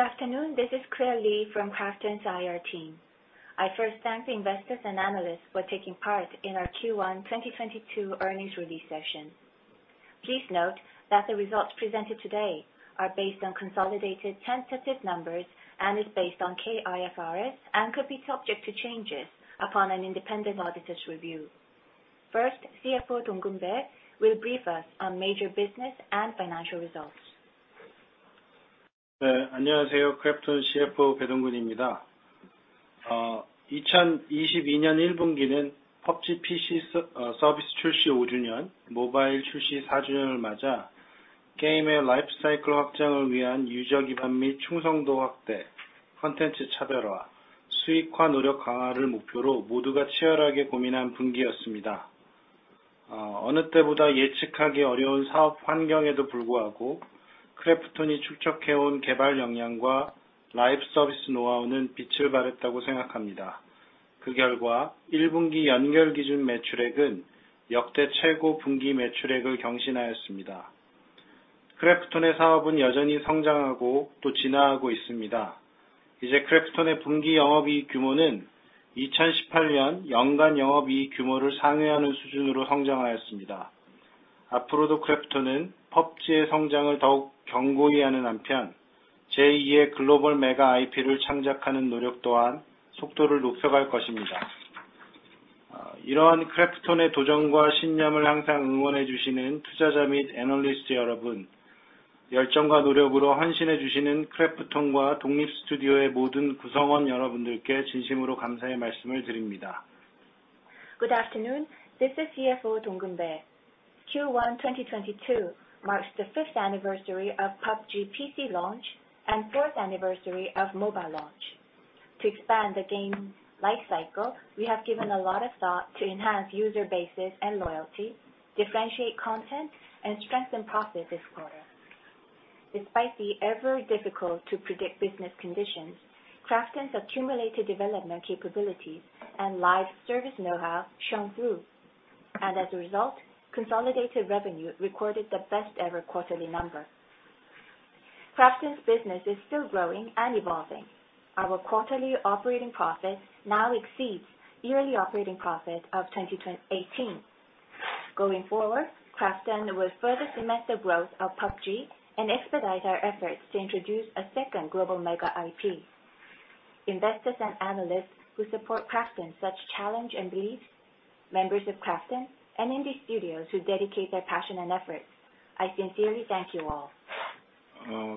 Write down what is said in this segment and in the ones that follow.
Good afternoon, this is Claire Lee from KRAFTON's IR team. I first thank the investors and analysts for taking part in our Q1 2022 earnings release session. Please note that the results presented today are based on consolidated tentative numbers and is based on K-IFRS, and could be subject to changes upon an independent auditor's review. First, CFO Dongkeun Bae will brief us on major business and financial results. 안녕하세요. 크래프톤 CFO 배동훈입니다. 2022년 1분기는 PUBG PC 서비스 출시 오주년, 모바일 출시 사주년을 맞아 게임의 라이프 사이클 확장을 위한 유저 기반 및 충성도 확대, 콘텐츠 차별화, 수익화 노력 강화를 목표로 모두가 치열하게 고민한 분기였습니다. 어느 때보다 예측하기 어려운 사업 환경에도 불구하고 크래프톤이 축적해 온 개발 역량과 라이브 서비스 노하우는 빛을 발했다고 생각합니다. 그 결과 1분기 연결 기준 매출액은 역대 최고 분기 매출액을 경신하였습니다. 크래프톤의 사업은 여전히 성장하고 또 진화하고 있습니다. 이제 크래프톤의 분기 영업이익 규모는 2018년 연간 영업이익 규모를 상회하는 수준으로 성장하였습니다. 앞으로도 크래프톤은 PUBG의 성장을 더욱 견고히 하는 한편, 제2의 글로벌 메가 IP를 창작하는 노력 또한 속도를 높여갈 것입니다. 이러한 크래프톤의 도전과 신념을 항상 응원해 주시는 투자자 및 애널리스트 여러분, 열정과 노력으로 헌신해 주시는 크래프톤과 독립 스튜디오의 모든 구성원 여러분들께 진심으로 감사의 말씀을 드립니다. Good afternoon. This is CFO Dongkeun Bae. Q1 2022 marks the fifth anniversary of PUBG PC launch and fourth anniversary of mobile launch. To expand the game life cycle, we have given a lot of thought to enhance user bases and loyalty, differentiate content, and strengthen profit this quarter. Despite the ever difficult to predict business conditions, KRAFTON's accumulated development capabilities and live service knowhow shone through. As a result, consolidated revenue recorded the best ever quarterly number. KRAFTON's business is still growing and evolving. Our quarterly operating profit now exceeds yearly operating profit of 2018. Going forward, KRAFTON will further cement the growth of PUBG and expedite our efforts to introduce a second global mega IP. Investors and analysts who support KRAFTON such challenge and beliefs, members of KRAFTON, and indie studios who dedicate their passion and efforts, I sincerely thank you all.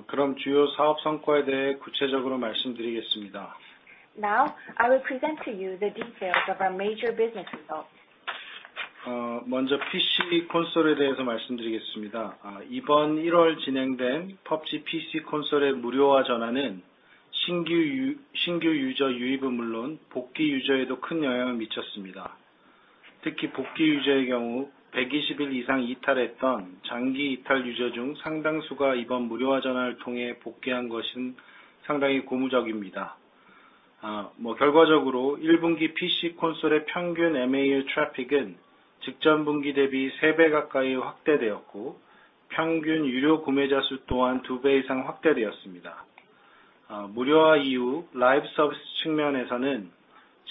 그럼 주요 사업 성과에 대해 구체적으로 말씀드리겠습니다. Now, I will present to you the details of our major business results. 먼저 PC console에 대해서 말씀드리겠습니다. 이번 1월 진행된 PUBG PC console의 무료화 전환은 신규 유저 유입은 물론 복귀 유저에도 큰 영향을 미쳤습니다. 특히 복귀 유저의 경우 121일 이상 이탈했던 장기 이탈 유저 중 상당수가 이번 무료화 전환을 통해 복귀한 것은 상당히 고무적입니다. 결과적으로 1분기 PC console의 평균 MAU 트래픽은 직전 분기 대비 세배 가까이 확대되었고, 평균 유료 구매자 수 또한 두배 이상 확대되었습니다. 무료화 이후 라이브 서비스 측면에서는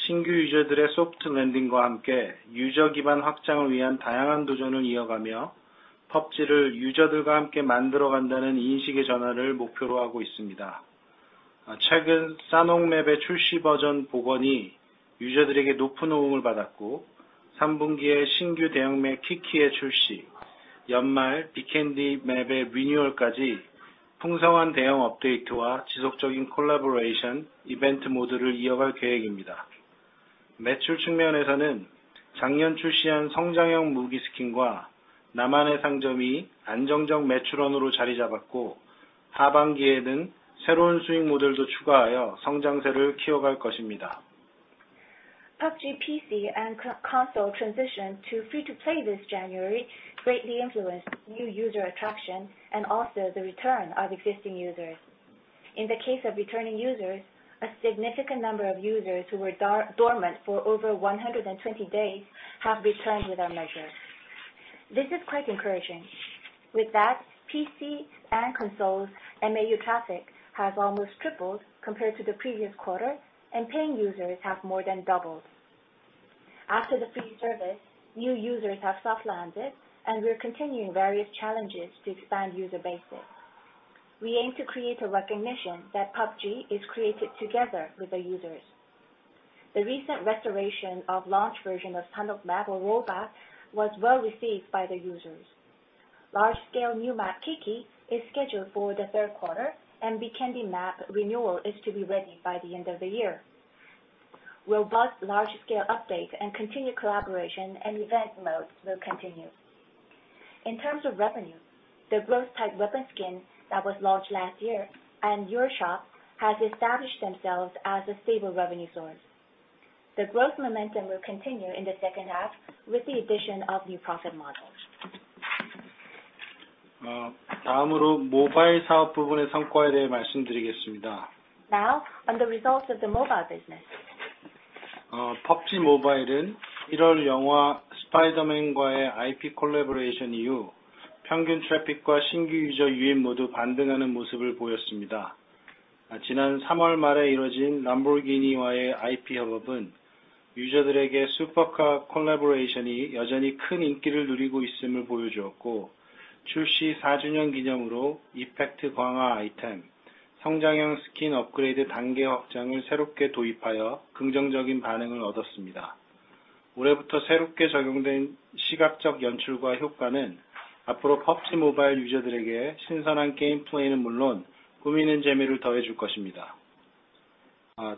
신규 유저들의 소프트 랜딩과 함께 유저 기반 확장을 위한 다양한 도전을 이어가며 PUBG를 유저들과 함께 만들어간다는 인식의 전환을 목표로 하고 있습니다. 최근 Sanhok 맵의 출시 버전 복원이 유저들에게 높은 호응을 받았고, 3분기에 신규 대형 맵 Deston의 출시, 연말 Vikendi 맵의 renewal까지 풍성한 대형 업데이트와 지속적인 collaboration, event 모드를 이어갈 계획입니다. 매출 측면에서는 작년 출시한 성장형 무기 스킨과 나만의 상점이 안정적 매출원으로 자리 잡았고, 하반기에는 새로운 수익 모델도 추가하여 성장세를 키워갈 것입니다. PUBG PC and console transition to free-to-play this January greatly influenced new user attraction and also the return of existing users. In the case of returning users, a significant number of users who were dormant for over 120 days have returned with our measure. This is quite encouraging. With that, PC and consoles MAU traffic has almost tripled compared to the previous quarter, and paying users have more than doubled. After the free service, new users have soft landed, and we're continuing various challenges to expand user bases. We aim to create a recognition that PUBG is created together with the users. The recent restoration of launch version of Sanhok map or rollback was well received by the users. Large scale new map Deston is scheduled for the third quarter, and Vikendi map renewal is to be ready by the end of the year. Robust large scale update and continued collaboration and event modes will continue. In terms of revenue, the growth type weapon skin that was launched last year and Your Shop has established themselves as a stable revenue source. The growth momentum will continue in the second half with the addition of new profit models. 다음으로 모바일 사업 부문의 성과에 대해 말씀드리겠습니다. Now, on the results of the mobile business. PUBG Mobile은 1월 영화 Spider-Man과의 IP collaboration 이후 평균 traffic과 신규 user 유입 모두 반등하는 모습을 보였습니다. 지난 3월 말에 이뤄진 Lamborghini와의 IP 협업은 user들에게 supercar collaboration이 여전히 큰 인기를 누리고 있음을 보여주었고, 출시 4주년 기념으로 이펙트 강화 아이템, 성장형 스킨 업그레이드 단계 확장을 새롭게 도입하여 긍정적인 반응을 얻었습니다. 올해부터 새롭게 적용된 시각적 연출과 효과는 앞으로 PUBG Mobile user들에게 신선한 게임 플레이는 물론 꾸미는 재미를 더해줄 것입니다.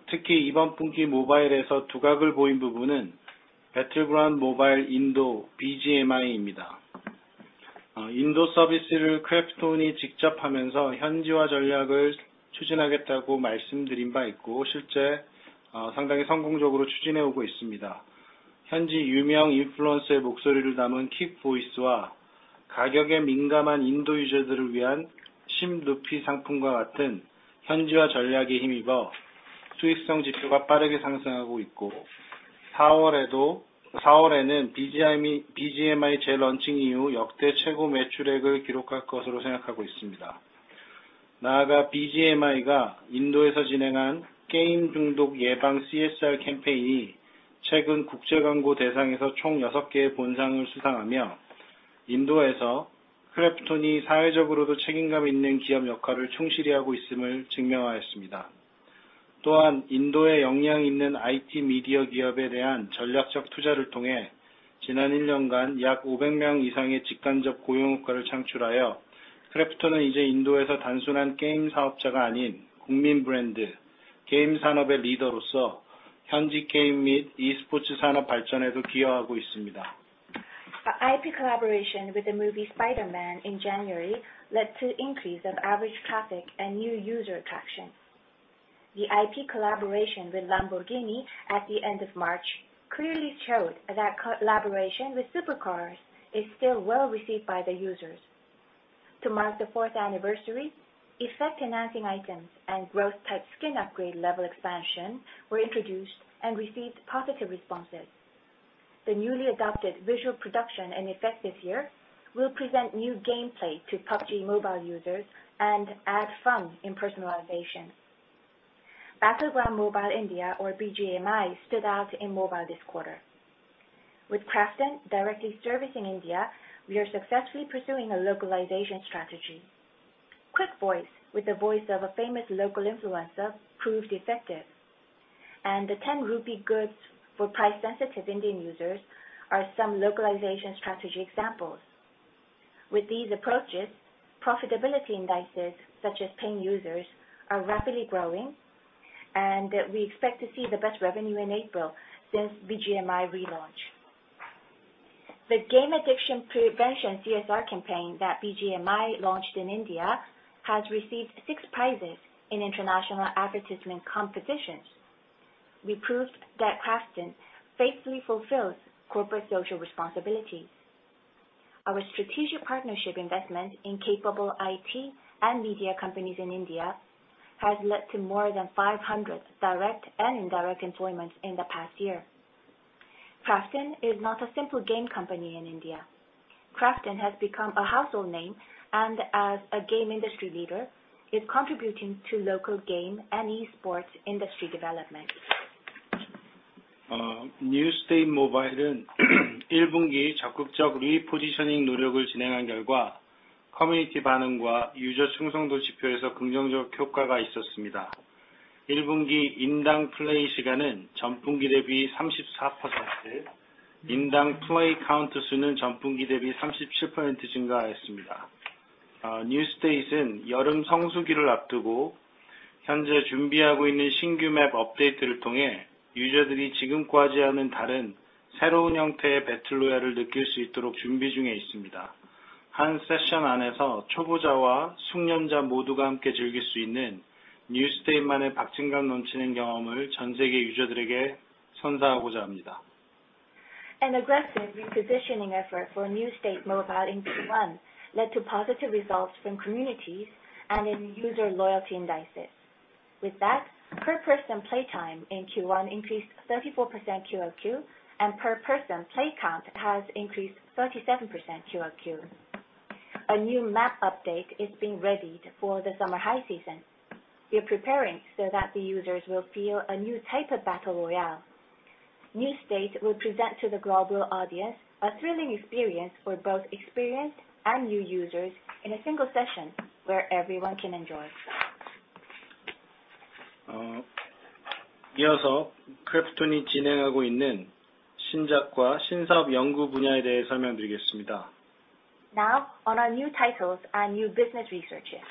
특히 이번 분기 모바일에서 두각을 보인 부분은 Battlegrounds Mobile India BGMI입니다. 인도 서비스를 크래프톤이 직접 하면서 현지화 전략을 추진하겠다고 말씀드린 바 있고, 실제 상당히 성공적으로 추진해 오고 있습니다. 현지 유명 influencer의 목소리를 담은 Quick Voice와 가격에 민감한 인도 user들을 위한 INR 10 상품과 같은 현지화 전략에 힘입어 수익성 지표가 빠르게 상승하고 있고, 4월에는 BGMI 재런칭 이후 역대 최고 매출액을 기록할 것으로 생각하고 있습니다. 나아가 BGMI가 인도에서 진행한 게임 중독 예방 CSR 캠페인이 최근 국제광고 대상에서 총 여섯 개의 본상을 수상하며, 인도에서 크래프톤이 사회적으로도 책임감 있는 기업 역할을 충실히 하고 있음을 증명하였습니다. 또한 인도에 역량 있는 IT 미디어 기업에 대한 전략적 투자를 통해 지난 일 년간 약 500명 이상의 직간접 고용 효과를 창출하여, 크래프톤은 이제 인도에서 단순한 게임 사업자가 아닌 국민 브랜드, 게임 산업의 리더로서 현지 게임 및 e스포츠 산업 발전에도 기여하고 있습니다. IP collaboration with the movie Spider-Man in January led to increase of average traffic and new user attraction. The IP collaboration with Lamborghini at the end of March clearly showed that co-collaboration with supercars is still well received by the users. To mark the fourth anniversary, effect enhancing items and growth type skin upgrade level expansion were introduced and received positive responses. The newly adopted visual production and effect this year will present new gameplay to PUBG Mobile users and add fun in personalization. BATTLEGROUNDS MOBILE INDIA or BGMI stood out in mobile this quarter. With KRAFTON directly servicing India, we are successfully pursuing a localization strategy. Quick Voice with the voice of a famous local influencer proved effective, and the 10 rupee goods for price-sensitive Indian users are some localization strategy examples. With these approaches, profitability indices such as paying users are rapidly growing, and we expect to see the best revenue in April since BGMI relaunch. The game addiction prevention CSR campaign that BGMI launched in India has received 6 prizes in international advertisement competitions. We proved that KRAFTON faithfully fulfills corporate social responsibilities. Our strategic partnership investment in capable IT and media companies in India has led to more than 500 direct and indirect employments in the past year. KRAFTON is not a simple game company in India. KRAFTON has become a household name, and as a game industry leader, is contributing to local game and e-sports industry development. New State Mobile은 1분기 적극적 repositioning 노력을 진행한 결과, community 반응과 user 충성도 지표에서 긍정적 효과가 있었습니다. 1분기 인당 플레이 시간은 전분기 대비 34%, 인당 플레이 카운트 수는 전분기 대비 37% 증가하였습니다. New State은 여름 성수기를 앞두고 현재 준비하고 있는 신규 맵 업데이트를 통해 user들이 지금까지와는 다른 새로운 형태의 배틀로얄을 느낄 수 있도록 준비 중에 있습니다. 한 session 안에서 초보자와 숙련자 모두가 함께 즐길 수 있는 New State만의 박진감 넘치는 경험을 전 세계 user들에게 선사하고자 합니다. An aggressive repositioning effort for New State Mobile in Q1 led to positive results from communities and in user loyalty indices. With that, per person play time in Q1 increased 34% QOQ, and per person play count has increased 37% QOQ. A new map update is being readied for the summer high season. We are preparing so that the users will feel a new type of battle royale. New State will present to the global audience a thrilling experience for both experienced and new users in a single session where everyone can enjoy. 이어서 크래프톤이 진행하고 있는 신작과 신사업 연구 분야에 대해 설명드리겠습니다. Now on our new titles and new business researches.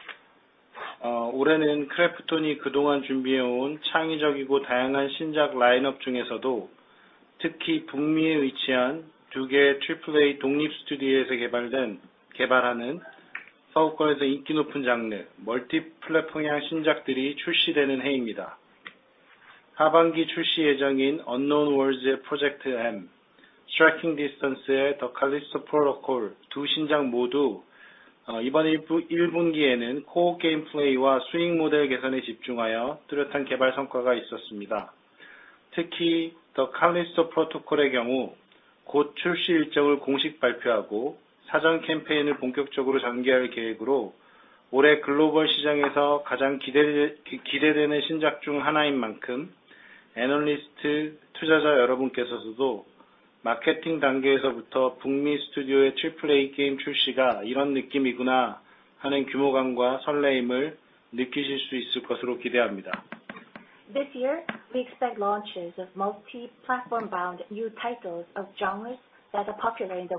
올해는 크래프톤이 그동안 준비해 온 창의적이고 다양한 신작 라인업 중에서도 특히 북미에 위치한 두 개의 Triple-A 독립 스튜디오에서 개발된, 서구권에서 인기 높은 장르, 멀티플랫폼향 신작들이 출시되는 해입니다. 하반기 출시 예정인 Unknown Worlds의 Project M과 Striking Distance의 The Callisto Protocol, 두 신작 모두 이번 1분기에는 코어 게임 플레이와 수익 모델 개선에 집중하여 뚜렷한 개발 성과가 있었습니다. 특히 The Callisto Protocol의 경우 곧 출시 일정을 공식 발표하고 사전 캠페인을 본격적으로 전개할 계획으로, 올해 글로벌 시장에서 가장 기대되는 신작 중 하나인 만큼 애널리스트 투자자 여러분께서도 마케팅 단계에서부터 북미 스튜디오의 트리플에이 게임 출시가 이런 느낌이구나 하는 규모감과 설렘을 느끼실 수 있을 것으로 기대합니다. This year, we expect launches of multi-platform bound new titles of genres that are popular in the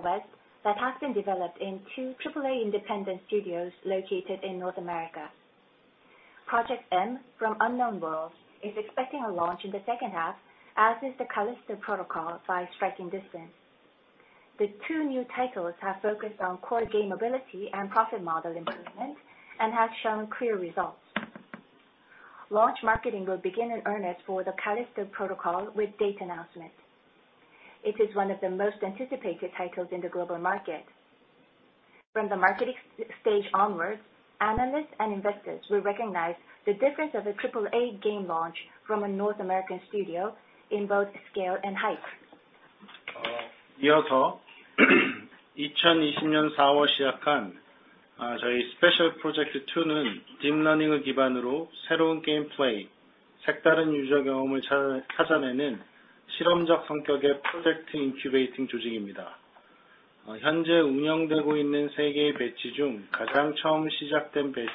West that have been developed in two AAA independent studios located in North America. Project M from Unknown Worlds is expecting a launch in the second half, as is The Callisto Protocol by Striking Distance. The two new titles have focused on core game ability and profit model improvement and have shown clear results. Launch marketing will begin in earnest for The Callisto Protocol with date announcement. It is one of the most anticipated titles in the global market. From the marketing S-stage onwards, analysts and investors will recognize the difference of an AAA game launch from a North American studio in both scale and hype. 이어서 2020년 4월 시작한 저희 Special Project Two는 딥러닝을 기반으로 새로운 게임 플레이, 색다른 유저 경험을 찾아내는 실험적 성격의 Project Incubating 조직입니다. 현재 운영되고 있는 세 개의 배치 중 가장 처음 시작된 배치,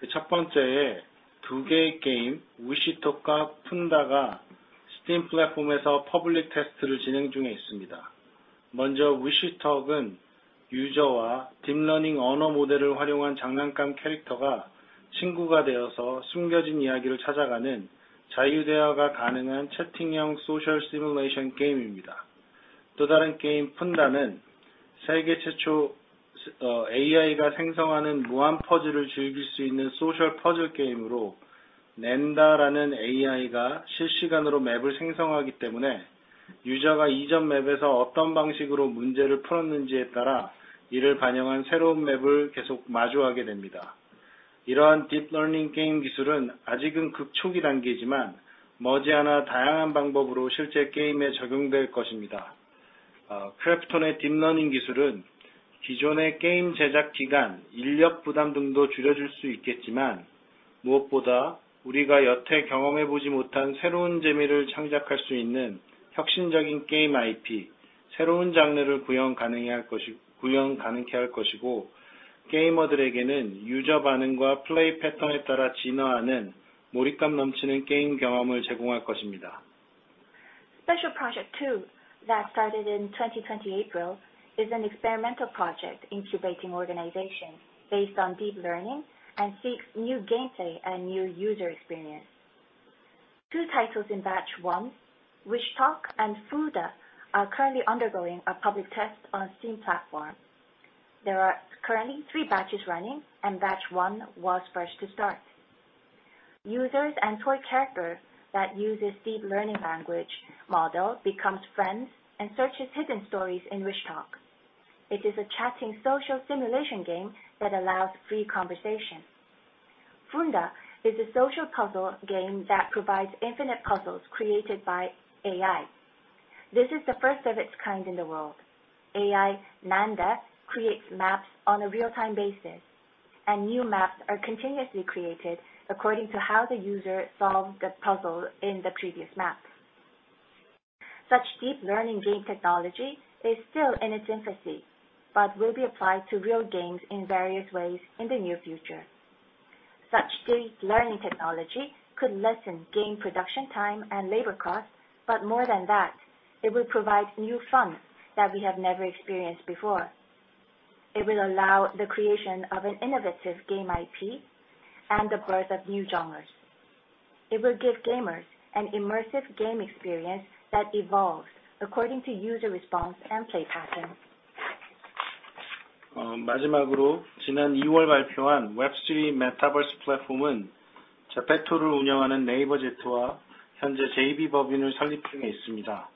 그첫 번째에 두 개의 게임 WishTalk과 Funda가 Steam 플랫폼에서 Public Test를 진행 중에 있습니다. 먼저 WishTalk은 유저와 딥러닝 언어 모델을 활용한 장난감 캐릭터가 친구가 되어서 숨겨진 이야기를 찾아가는 자유 대화가 가능한 채팅형 소셜 시뮬레이션 게임입니다. 또 다른 게임 Funda는 세계 최초 AI가 생성하는 무한 퍼즐을 즐길 수 있는 소셜 퍼즐 게임으로, Nanda라는 AI가 실시간으로 맵을 생성하기 때문에 유저가 이전 맵에서 어떤 방식으로 문제를 풀었는지에 따라 이를 반영한 새로운 맵을 계속 마주하게 됩니다. 이러한 딥러닝 게임 기술은 아직은 극초기 단계지만 머지않아 다양한 방법으로 실제 게임에 적용될 것입니다. 크래프톤의 딥러닝 기술은 기존의 게임 제작 기간, 인력 부담 등도 줄여줄 수 있겠지만, 무엇보다 우리가 여태 경험해 보지 못한 새로운 재미를 창작할 수 있는 혁신적인 게임 IP, 새로운 장르를 구현 가능케 할 것이고, 게이머들에게는 유저 반응과 플레이 패턴에 따라 진화하는 몰입감 넘치는 게임 경험을 제공할 것입니다. Special Project II that started in 2020 April is an experimental incubation organization based on deep learning and seeks new gameplay and new user experience. Two titles in batch one, WishTalk and Funda, are currently undergoing a public test on Steam platform. There are currently three batches running, and batch one was first to start. Users and toy characters that uses deep learning language model becomes friends and searches hidden stories in WishTalk. It is a chatting social simulation game that allows free conversation. Funda is a social puzzle game that provides infinite puzzles created by AI. This is the first of its kind in the world. AI Nanda creates maps on a real-time basis, and new maps are continuously created according to how the user solved the puzzle in the previous maps. Such deep learning game technology is still in its infancy, but will be applied to real games in various ways in the near future. Such deep learning technology could lessen game production time and labor costs, but more than that, it will provide new fun that we have never experienced before. It will allow the creation of an innovative game IP and the birth of new genres. It will give gamers an immersive game experience that evolves according to user response and play patterns. 지난 2월 발표한 Web 3.0 Metaverse Platform은 ZEPETO를 운영하는 NAVER Z와 현재 JV 법인을 설립 중에 있습니다.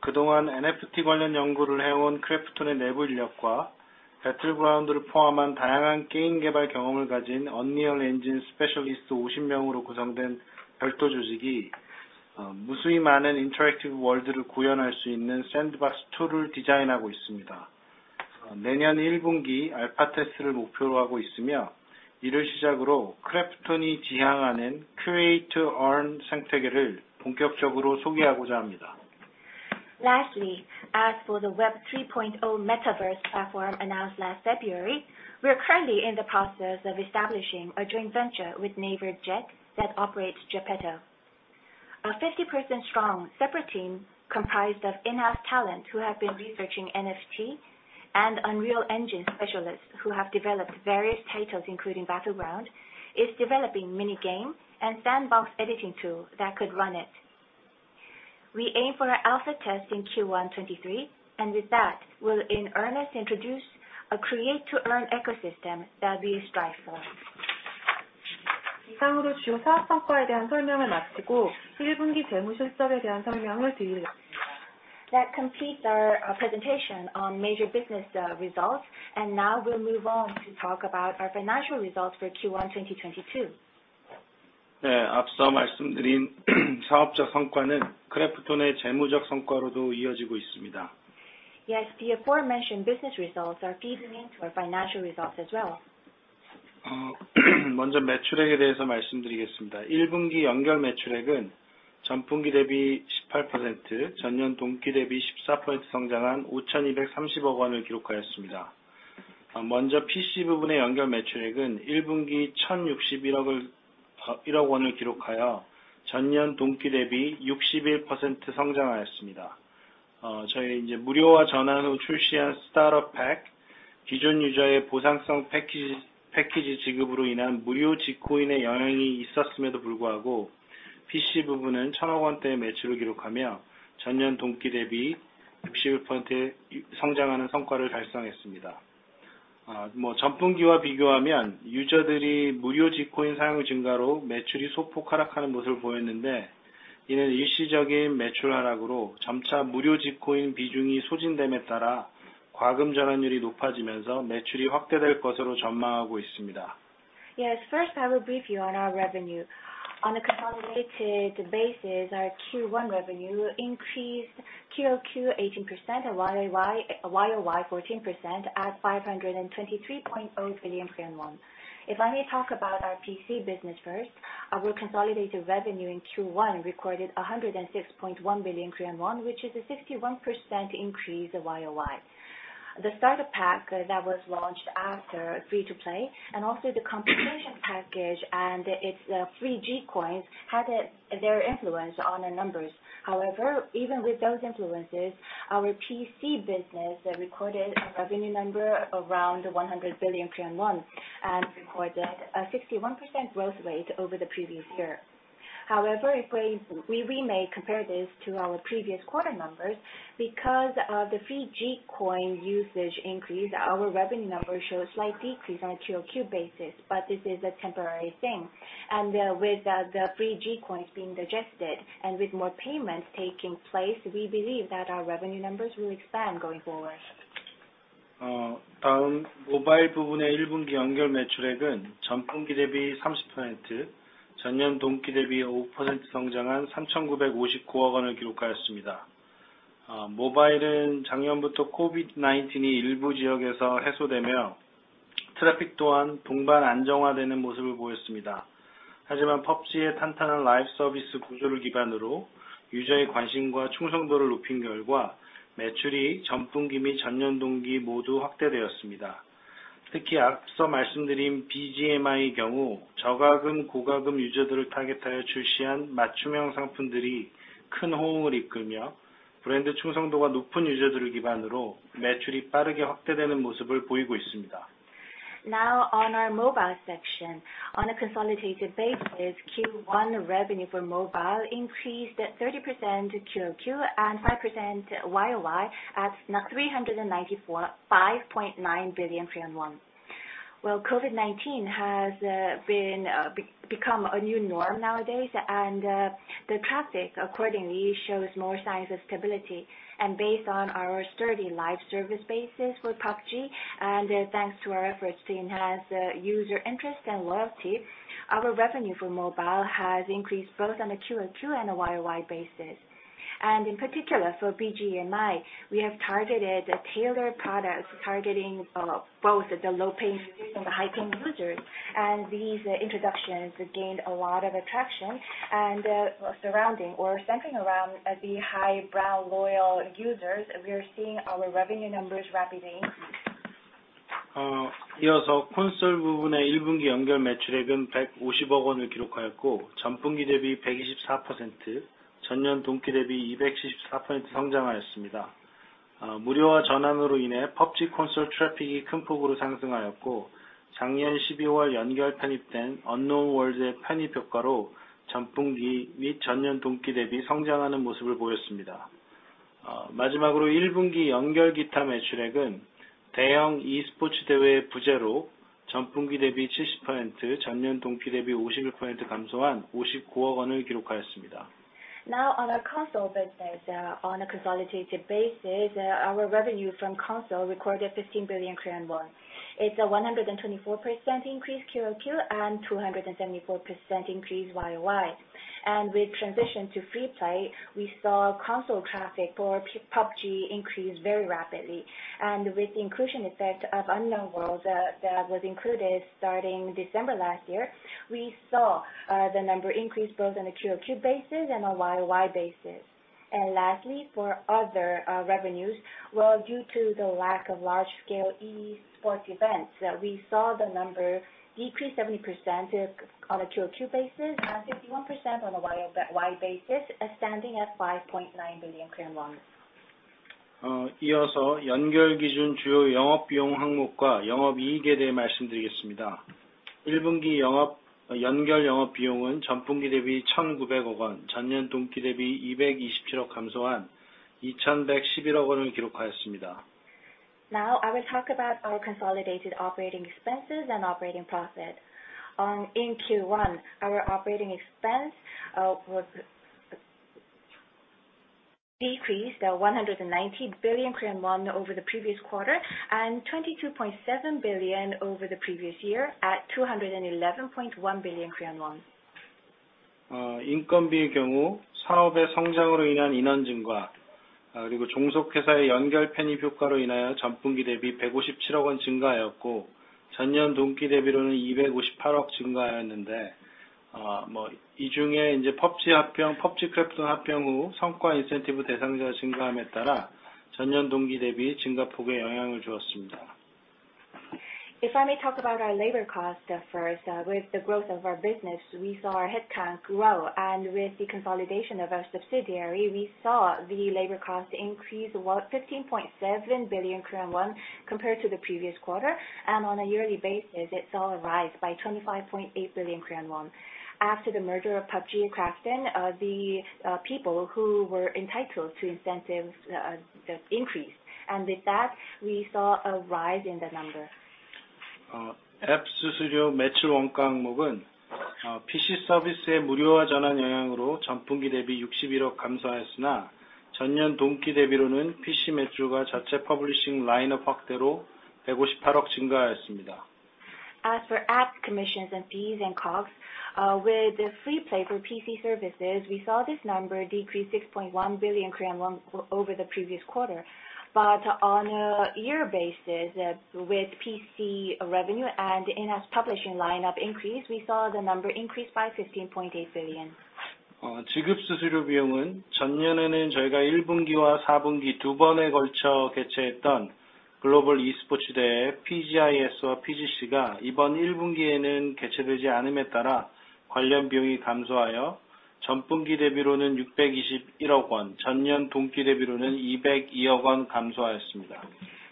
그동안 NFT 관련 연구를 해온 크래프톤의 내부 인력과 배틀그라운드를 포함한 다양한 게임 개발 경험을 가진 Unreal Engine Specialist 50명으로 구성된 별도 조직이 무수히 많은 Interactive World를 구현할 수 있는 Sandbox Tool을 디자인하고 있습니다. 내년 1분기 알파 테스트를 목표로 하고 있으며, 이를 시작으로 크래프톤이 지향하는 Create-to-Earn 생태계를 본격적으로 소개하고자 합니다. Lastly, as for the Web 3.0 Metaverse Platform announced last February, we are currently in the process of establishing a joint venture with NAVER Z that operates ZEPETO. A 50-person-strong separate team comprised of in-house talent who have been researching NFT and Unreal Engine specialists who have developed various titles, including BATTLEGROUNDS, is developing mini game and sandbox editing tool that could run it. We aim for an alpha test in Q1 2023, and with that will in earnest introduce a create-to-earn ecosystem that we strive for. That completes our presentation on major business results. Now we'll move on to talk about our financial results for Q1 2022. Yeah. Yes, the aforementioned business results are feeding into our financial results as well. That completes our presentation on major business results. Now we'll move on to talk about our financial results for Q1 2022. Yes. The aforementioned business results are feeding into our financial results as well. Yes. First, I will brief you on our revenue. On a consolidated basis, our Q1 revenue increased QOQ 18% and YOY 14% at 523.0 billion. If I may talk about our PC business first, our consolidated revenue in Q1 recorded 106.1 billion Korean won, which is a 61% increase YOY. The starter pack that was launched after free-to-play, and also the compensation package and its free G-Coin had their influence on the numbers. However, even with those influences, our PC business recorded a revenue number around 100 billion Korean won and recorded a 61% growth rate over the previous year. However, if we may compare this to our previous quarter numbers, because of the free G-Coin usage increase, our revenue numbers show a slight decrease on a QOQ basis, but this is a temporary thing. With the free G-Coin being digested and with more payments taking place, we believe that our revenue numbers will expand going forward. Uh, Now, on our mobile section. On a consolidated basis, Q1 revenue for mobile increased 30% QOQ and 5% YOY at 394.59 billion Korean won. Well, COVID-19 has become a new norm nowadays, and the traffic accordingly shows more signs of stability. Based on our strong live service basis with PUBG, and thanks to our efforts to enhance user interest and loyalty, our revenue for mobile has increased both on a QOQ and a YOY basis. In particular, for BGMI, we have targeted tailored products targeting both the low-paying and the high-paying users. These introductions have gained a lot of traction. Surrounding or centering around the high-value loyal users, we are seeing our revenue numbers rapidly. Uh, Now, on our console business, on a consolidated basis, our revenue from console recorded 15 billion Korean won. It's a 124% increase QOQ and 274% increase YOY. With transition to free play, we saw console traffic for PUBG increase very rapidly. With the inclusion effect of Unknown Worlds, that was included starting December last year, we saw the number increase both on a QOQ basis and a YOY basis. Lastly, for other revenues, due to the lack of large scale e-sports events, we saw the number decrease 70% on a QOQ basis and 51% on a YOY basis, standing at KRW 5.9 billion. Uh, Now I will talk about our consolidated operating expenses and operating profit. In Q1, our operating expense was decreased 190 billion Korean won over the previous quarter and 22.7 billion over the previous year at 211.1 billion Korean won. If I may talk about our labor cost first. With the growth of our business, we saw our headcount grow and with the consolidation of our subsidiary, we saw the labor cost increase 15.7 billion Korean won compared to the previous quarter. On a yearly basis, it saw a rise by 25.8 billion Korean won. After the merger of PUBG and KRAFTON, the people who were entitled to incentives increased. With that, we saw a rise in the number. As for app commissions and fees and COGS, with the free-to-play for PC services, we saw this number decrease 6.1 billion Korean won over the previous quarter. On a year basis, with PC revenue and enhanced publishing lineup increase, we saw the number increase by KRW 15.8 billion.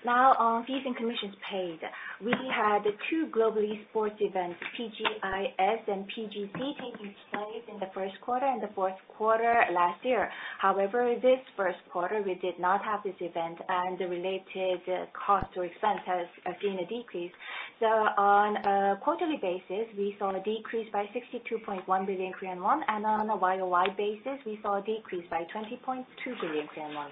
Now on fees and commissions paid. We had two global esports events, PGIS and PGC, taking place in the first quarter and the fourth quarter last year. However, this first quarter we did not have this event, and the related cost or expense has seen a decrease. On a quarterly basis, we saw a decrease by 62.1 billion Korean won, and on a YOY basis, we saw a decrease by 20.2 billion Korean won.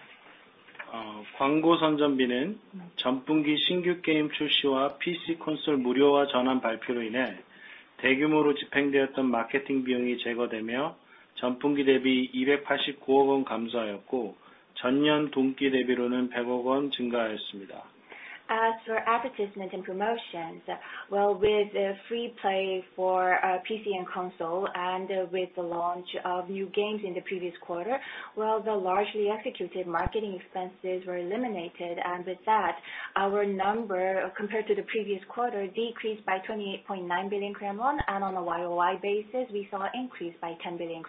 As for advertisement and promotions, well, with free play for PC and console and with the launch of new games in the previous quarter, well, the largely executed marketing expenses were eliminated. With that, our number compared to the previous quarter decreased by 28.9 billion. On a YOY basis, we saw an increase by 10 billion.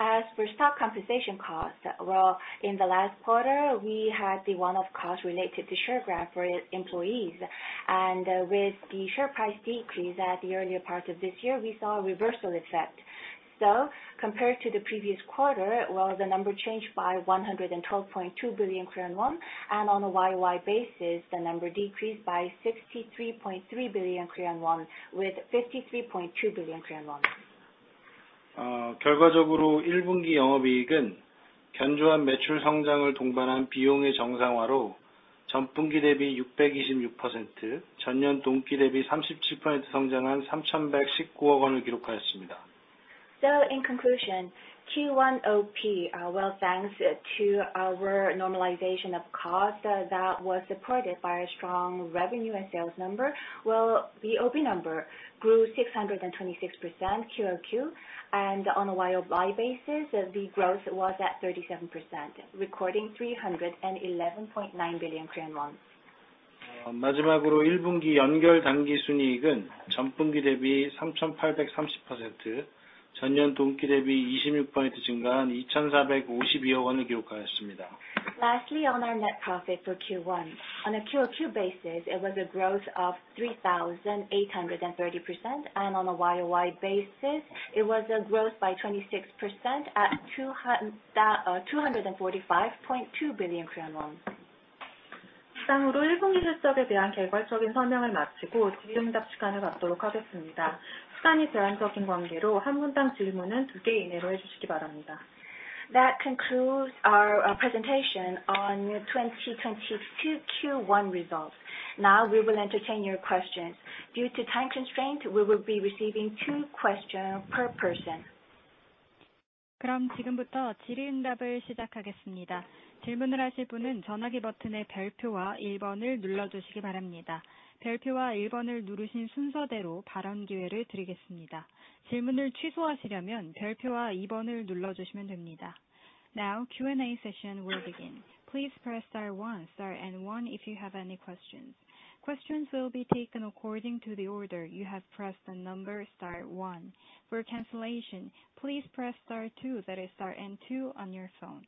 As for stock compensation costs, well, in the last quarter, we had the one-off cost related to share grant for employees. With the share price decrease at the earlier part of this year, we saw a reversal effect. Compared to the previous quarter, well, the number changed by 112.2 billion Korean won. On a YOY basis, the number decreased by 63.3 billion Korean won with 53.2 billion Korean won. In conclusion, Q1 OP, well, thanks to our normalization of cost, that was supported by a strong revenue and sales number. Well, the OP number grew 626% QOQ. On a YOY basis, the growth was at 37%, recording KRW 311.9 billion. Lastly, on our net profit for Q1. On a QOQ basis, it was a growth of 3,830%. On a YOY basis, it was a growth by 26% at 245.2 billion Korean won. That concludes our presentation on 2022 Q1 results. Now we will entertain your questions. Due to time constraint, we will be receiving two questions per person. 질문을 취소하시려면 별표와 이 버튼을 눌러주시면 됩니다. Now Q&A session will begin. Please press star one, star and one if you have any questions. Questions will be taken according to the order you have pressed the number star one. For cancellation, please press star two, that is star and two on your phone.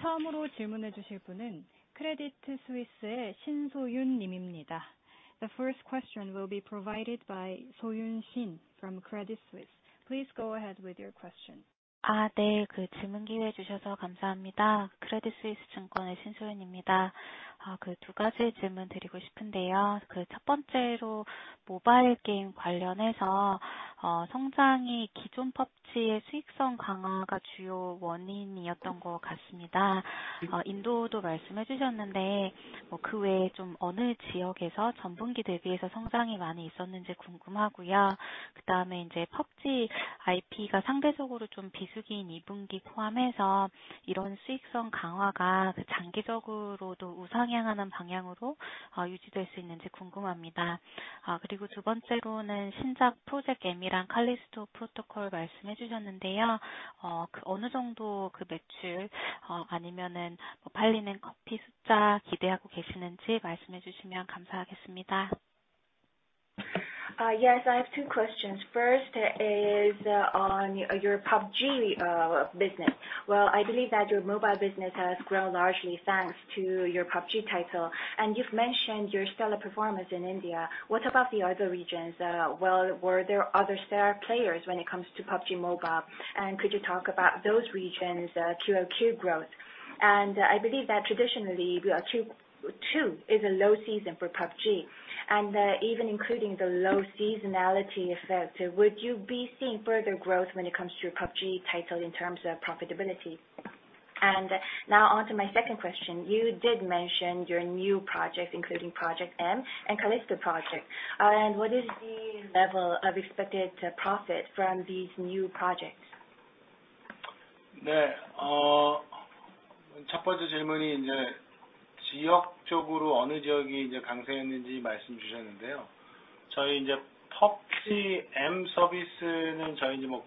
처음으로 질문해 주실 분은 크레디스위스의 신소윤 님입니다. The first question will be provided by Soyun Shin from Credit Suisse. Please go ahead with your question. 크레디스위스 증권의 신소윤입니다. 두 가지 질문드리고 싶은데요. 첫 번째로 모바일 게임 관련해서 성장이 기존 PUBG의 수익성 강화가 주요 원인이었던 것 같습니다. 인도도 말씀해 주셨는데 그 외에 어느 지역에서 전분기 대비해서 성장이 많이 있었는지 궁금하고요. 그다음에 PUBG IP가 상대적으로 좀 비수기인 이 분기 포함해서 이런 수익성 강화가 장기적으로도 우상향하는 방향으로 유지될 수 있는지 궁금합니다. 두 번째로는 신작 Project M이랑 칼리스토 프로토콜 말씀해 주셨는데요. 어느 정도 매출, 아니면 팔리는 카피 숫자를 기대하고 계시는지 말씀해 주시면 감사하겠습니다. Yes, I have two questions. First is on your PUBG business. Well, I believe that your mobile business has grown largely thanks to your PUBG title. You've mentioned your stellar performance in India. What about the other regions? Well, were there other star players when it comes to PUBG Mobile? Could you talk about those regions' QOQ growth? I believe that traditionally Q2 is a low season for PUBG, even including the low seasonality effect, would you be seeing further growth when it comes to your PUBG title in terms of profitability? Now on to my second question. You did mention your new projects, including Project M and Callisto Project. What is the level of expected profit from these new projects? 첫 번째 질문이 지역적으로 어느 지역이 강세였는지 말씀해 주셨는데요. 저희 PUBG M 서비스는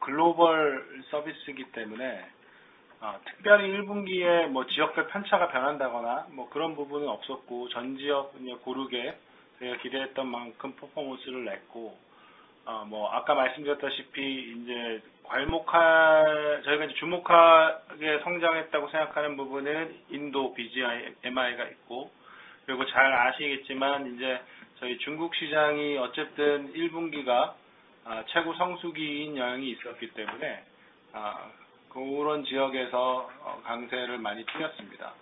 글로벌 서비스이기 때문에, 특별히 1분기에 지역별 편차가 변한다거나 그런 부분은 없었고, 전 지역 고르게 저희가 기대했던 만큼 퍼포먼스를 냈고, 아까 말씀드렸다시피 저희가 주목할 만큼 성장했다고 생각하는 부분은 인도 BGMI가 있고, 잘 아시겠지만 저희 중국 시장이 어쨌든 1분기가 최고 성수기인 양이 있었기 때문에, 그런 지역에서 강세를 많이 보였습니다.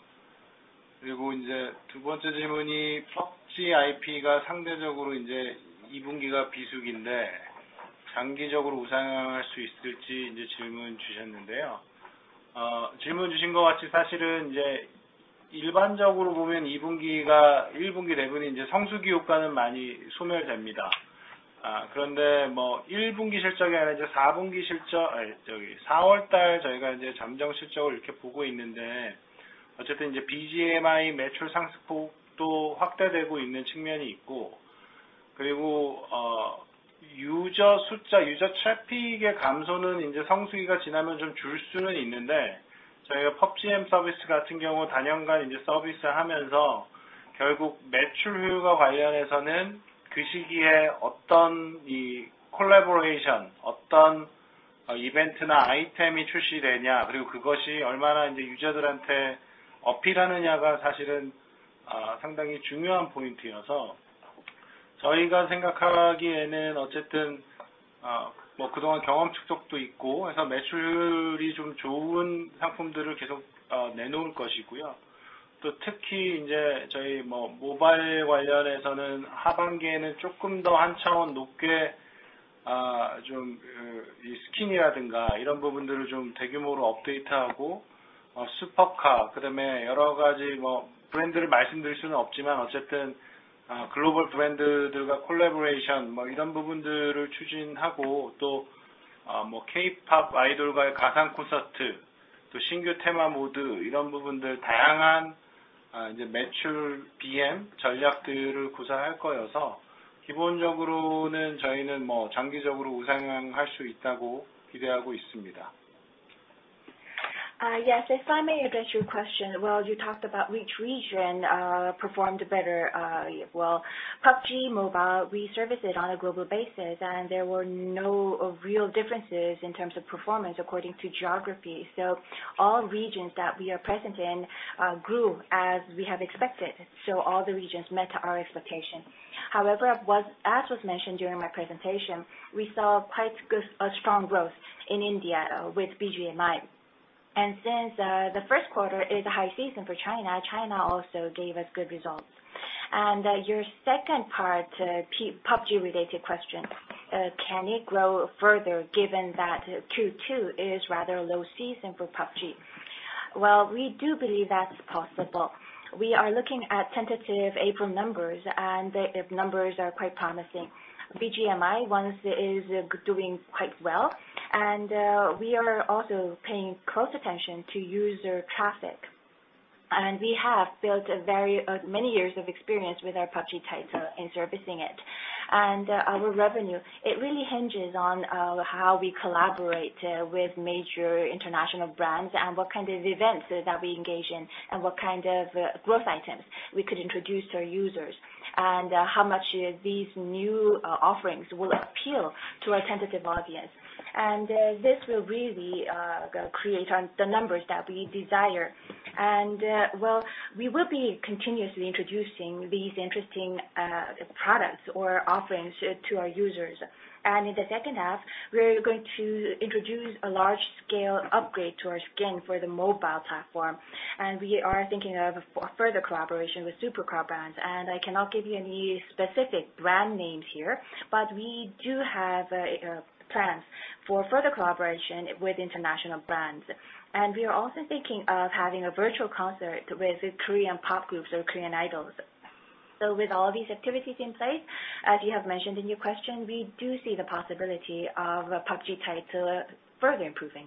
두 번째 질문이 PUBG IP가 상대적으로 이 분기가 비수기인데 장기적으로 우상향할 수 있을지 질문 주셨는데요. 질문 주신 것같이 사실은 일반적으로 보면 이 분기가 1분기 대비 성수기 효과는 많이 소멸됩니다. 그런데 1분기 실적이 아니라 이제 4분기 실적, 4월달 저희가 이제 잠정 실적을 이렇게 보고 있는데, 어쨌든 이제 BGMI 매출 상승폭도 확대되고 있는 측면이 있고, 유저 숫자, 유저 트래픽의 감소는 이제 성수기가 지나면 좀줄 수는 있는데, 저희가 PUBG Mobile 서비스 같은 경우 다년간 이제 서비스하면서 결국 매출과 관련해서는 그 시기에 어떤 콜래보레이션, 어떤 이벤트나 아이템이 출시되냐, 그리고 그것이 얼마나 이제 유저들한테 어필하느냐가 사실은 상당히 중요한 포인트여서, 저희가 생각하기에는 어쨌든 그동안 경험 축적도 있고 해서 매출이 좀 좋은 상품들을 계속 내놓을 것이고요. 특히 모바일 관련해서는 하반기에는 조금 더한 차원 높게 스킨이라든가 이런 부분들을 대규모로 업데이트하고, 슈퍼카, 그다음에 여러 가지 브랜드를 말씀드릴 수는 없지만 어쨌든 글로벌 브랜드들과 콜래보레이션 이런 부분들을 추진하고, 케이팝 아이돌과의 가상 콘서트, 신규 테마 모드 이런 부분들 다양한 매출 BM 전략들을 구사할 거여서 기본적으로는 저희는 장기적으로 우상향할 수 있다고 기대하고 있습니다. Yes, if I may address your question. Well, you talked about which region performed better. Well, PUBG Mobile, we service it on a global basis, and there were no real differences in terms of performance according to geography. All regions that we are present in grew as we have expected. All the regions met our expectation. However, as was mentioned during my presentation, we saw quite good strong growth in India with BGMI. Since the first quarter is a high season for China also gave us good results. Your second part, PUBG related question, can it grow further given that Q2 is rather low season for PUBG? Well, we do believe that's possible. We are looking at tentative April numbers, and the numbers are quite promising. BGMI is doing quite well. We are also paying close attention to user traffic. We have built a very many years of experience with our PUBG title and servicing it. Our revenue really hinges on how we collaborate with major international brands and what kind of events that we engage in and what kind of growth items we could introduce to our users, and how much these new offerings will appeal to our target audience. This will really create the numbers that we desire. Well, we will be continuously introducing these interesting products or offerings to our users. In the second half, we are going to introduce a large-scale upgrade to our skin for the mobile platform. We are thinking of further collaboration with supercar brands. I cannot give you any specific brand names here, but we do have plans for further collaboration with international brands. We are also thinking of having a virtual concert with Korean pop groups or Korean idols. With all these activities in place, as you have mentioned in your question, we do see the possibility of PUBG title further improving.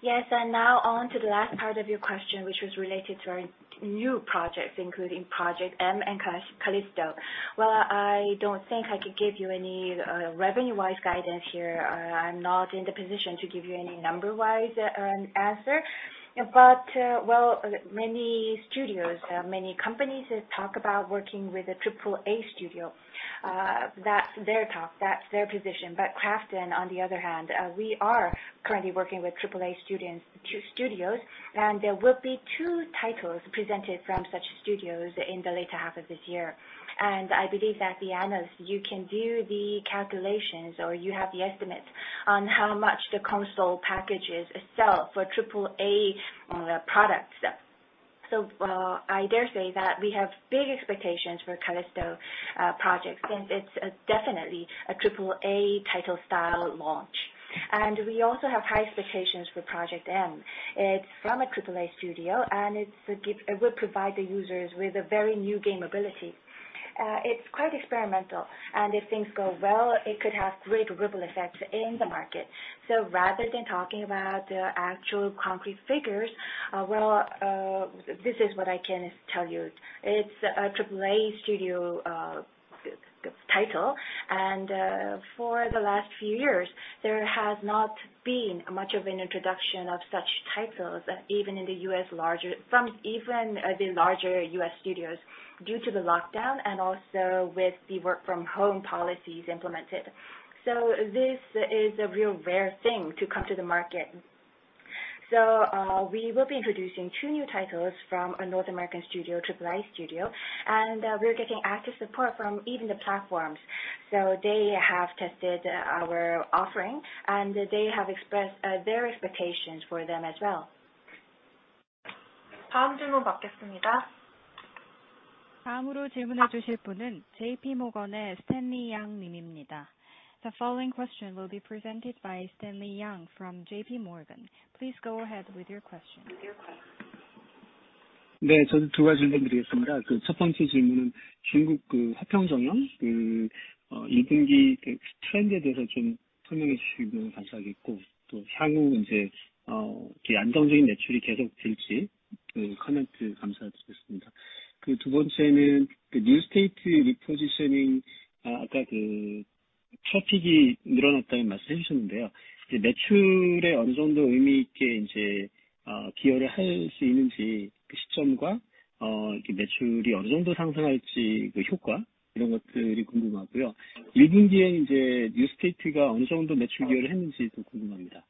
Yes. Now on to the last part of your question, which was related to our new projects, including Project M and The Callisto Protocol. Well, I don't think I could give you any revenue-wise guidance here. I'm not in the position to give you any number-wise answer. But well, many studios, many companies talk about working with a AAA studio, that's their talk, that's their position. KRAFTON, on the other hand, we are currently working with triple-A studios, and there will be two titles presented from such studios in the later half of this year. I believe that the analysts, you can do the calculations or you have the estimates on how much the console packages sell for triple-A products. I dare say that we have big expectations for The Callisto Protocol, since it's definitely a triple-A title style launch. We also have high expectations for Project M. It's from a triple-A studio, and it will provide the users with a very new game ability. It's quite experimental, and if things go well, it could have great ripple effects in the market. Rather than talking about the actual concrete figures, this is what I can tell you. It's a AAA studio title. For the last few years, there has not been much of an introduction of such titles, even from the larger U.S. studios due to the lockdown and also with the work from home policies implemented. This is a real rare thing to come to the market. We will be introducing two new titles from a North American studio, AAA studio, and we're getting active support from even the platforms. They have tested our offering, and they have expressed their expectations for them as well. The following question will be presented by Stanley Yang from JPMorgan. Please go ahead with your question. Traffic이 늘어났다는 말씀해 주셨는데요. 매출에 어느 정도 의미 있게 기여를 할수 있는지 그 시점과, 매출이 어느 정도 상승할지 그 효과 이런 것들이 궁금하고요. 1분기에 New State가 어느 정도 매출 기여를 했는지도 궁금합니다.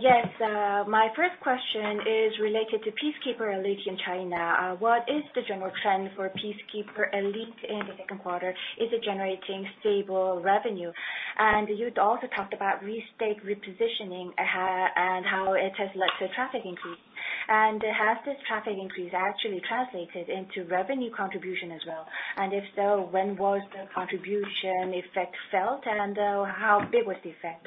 Yes. My first question is related to Peacekeeper Elite in China. What is the general trend for Peacekeeper Elite in the second quarter? Is it generating stable revenue? You'd also talked about reset positioning, and how it has led to traffic increase. Has this traffic increase actually translated into revenue contribution as well? If so, when was the contribution effect felt, and how big was the effect?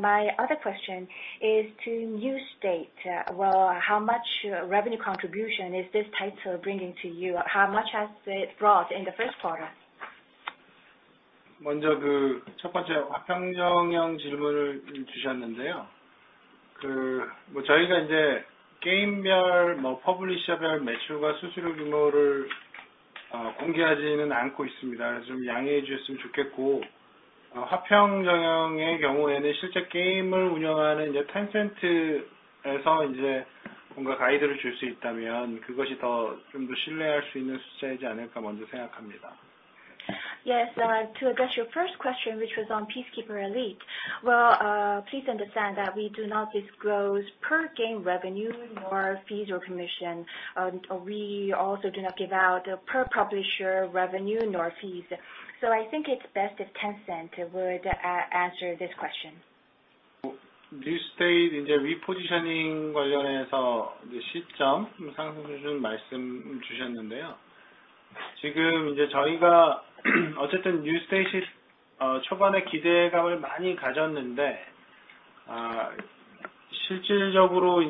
My other question is to New State. Well, how much revenue contribution is this title bringing to you? How much has it brought in the first quarter? 먼저 화평정영 질문을 주셨는데요. 저희가 이제 게임별, 퍼블리셔별 매출과 수수료 규모를 공개하지는 않고 있습니다. 좀 양해해 주셨으면 좋겠고, 화평정영의 경우에는 실제 게임을 운영하는 Tencent에서 가이드를 줄수 있다면 그것이 더 신뢰할 수 있는 숫자이지 않을까 생각합니다. Yes. To address your first question, which was on Peacekeeper Elite. Well, please understand that we do not disclose per game revenue, nor fees or commission. We also do not give out per publisher revenue, nor fees. I think it's best if Tencent would answer this question. New State Mobile의 repositioning 관련해서 시점 상승률을 말씀해 주셨는데요. 지금 저희가 어쨌든 New State Mobile이 초반에 기대감을 많이 가졌는데, 실질적으로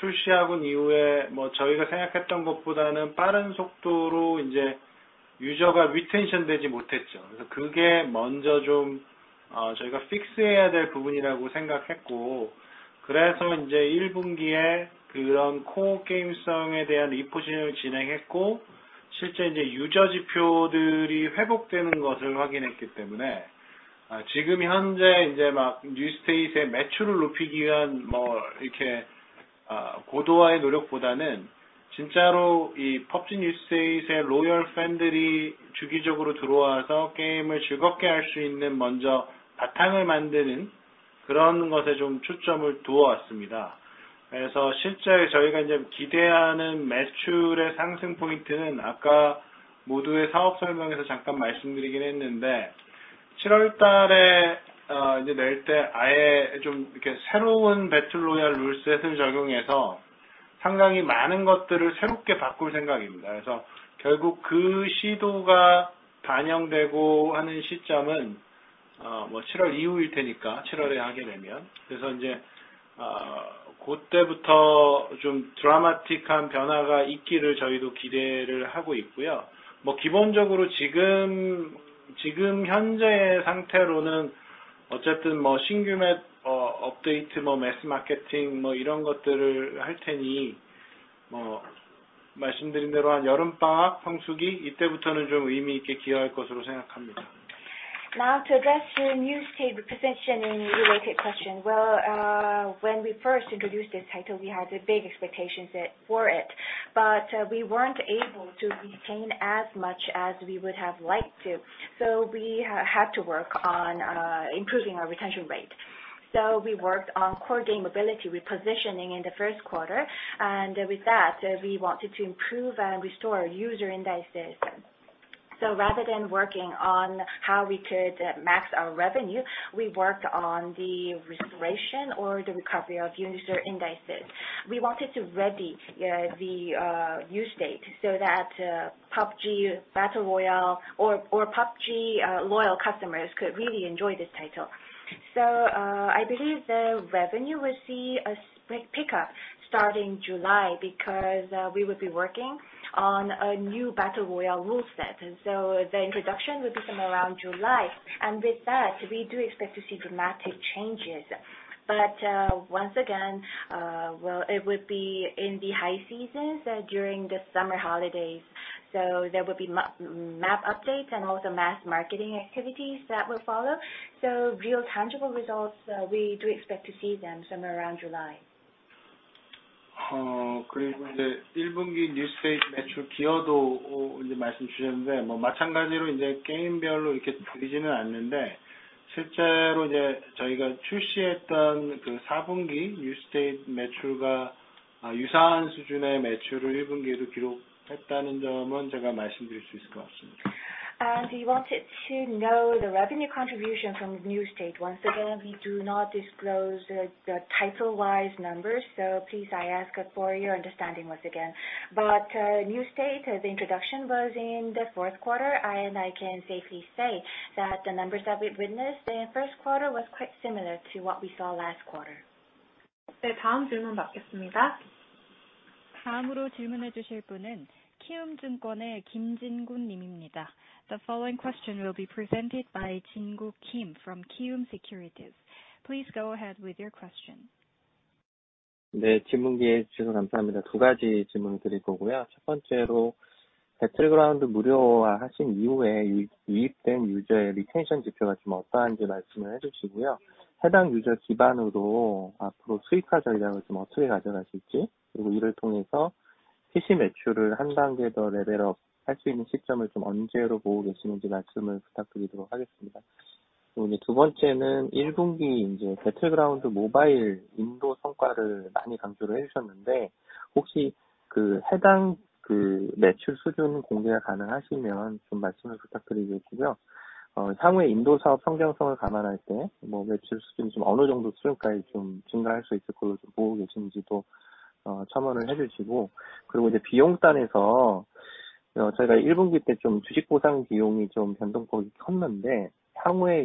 출시하고 이후에 저희가 생각했던 것보다는 빠른 속도로 유저가 retention 되지 못했죠. 그래서 그게 먼저 저희가 픽스해야 될 부분이라고 생각했고, 그래서 일 분기에 그런 코어 게임성에 대한 repositioning을 진행했고, 실제 유저 지표들이 회복되는 것을 확인했기 때문에, 지금 현재 New State Mobile의 매출을 높이기 위한 고도화의 노력보다는 진짜로 이 PUBG: New State의 loyal 팬들이 주기적으로 들어와서 게임을 즐겁게 할수 있는 먼저 바탕을 만드는 그런 것에 좀 초점을 두어 왔습니다. 그래서 실제 저희가 기대하는 매출의 상승 포인트는 아까 모두의 사업 설명에서 잠깐 말씀드리긴 했는데, 7월달에 아예 좀 새로운 배틀로얄 룰셋을 적용해서 상당히 많은 것들을 새롭게 바꿀 생각입니다. 결국 그 시도가 반영되는 시점은 칠월 이후일 테니까 칠 월에 하게 되면, 그때부터 좀 드라마틱한 변화가 있기를 저희도 기대를 하고 있고요. 기본적으로 지금 현재의 상태로는 어쨌든 신규 맵, 업데이트, 매스 마케팅 이런 것들을 할 테니, 말씀드린 대로 한 여름방학 성수기 이때부터는 좀 의미 있게 기여할 것으로 생각합니다. Now to address your New State repositioning related question. When we first introduced this title, we had big expectations for it, but we weren't able to retain as much as we would have liked to. We had to work on improving our retention rate. We worked on core game ability repositioning in the first quarter. With that, we wanted to improve and restore user indices. Rather than working on how we could max our revenue, we worked on the restoration or the recovery of user indices. We wanted to ready the New State so that PUBG Battle Royale or PUBG loyal customers could really enjoy this title. I believe the revenue will see a pickup starting July because we would be working on a new Battle Royale rule set. The introduction will be somewhere around July. With that, we do expect to see dramatic changes. Once again, well, it would be in the high seasons during the summer holidays. There will be map updates and also mass marketing activities that will follow. Real tangible results, we do expect to see them somewhere around July. 그리고 1분기 New State 매출 기여도 말씀 주셨는데, 마찬가지로 게임별로 이렇게 드리지는 않는데, 실제로 저희가 출시했던 그 4분기 New State 매출과 유사한 수준의 매출을 1분기에도 기록했다는 점은 말씀드릴 수 있을 것 같습니다. You wanted to know the revenue contribution from New State. Once again, we do not disclose the title-wise numbers, so please, I ask for your understanding once again. New State, the introduction was in the fourth quarter, and I can safely say that the numbers that we've witnessed in first quarter was quite similar to what we saw last quarter. 네, 다음 질문 받겠습니다. 다음으로 질문해 주실 분은 키움증권의 김진구 님입니다. The following question will be presented by Jin-Gu Kim from Kiwoom Securities. Please go ahead with your question. 네, 질문 기회 주셔서 감사합니다. 두 가지 질문을 드릴 거고요. 첫 번째로 배틀그라운드 무료화 하신 이후에 유입된 유저의 리텐션 지표가 좀 어떠한지 말씀을 해주시고요. 해당 유저 기반으로 앞으로 수익화 전략을 좀 어떻게 가져가실지, 그리고 이를 통해서 PC 매출을 한 단계 더 레벨업 할수 있는 시점을 좀 언제로 보고 계시는지 말씀을 부탁드리도록 하겠습니다. 그리고 두 번째는 1분기 배틀그라운드 모바일 인도 성과를 많이 강조를 해주셨는데, 혹시 해당 매출 수준 공개가 가능하시면 좀 말씀을 부탁드리겠고요. 향후 인도 사업 성장성을 감안할 때 매출 수준이 어느 정도 수준까지 좀 증가할 수 있을 걸로 보고 계신지도 첨언을 해주시고, 그리고 비용단에서 저희가 1분기 때좀 주식 보상 비용이 좀 변동폭이 컸는데, 향후에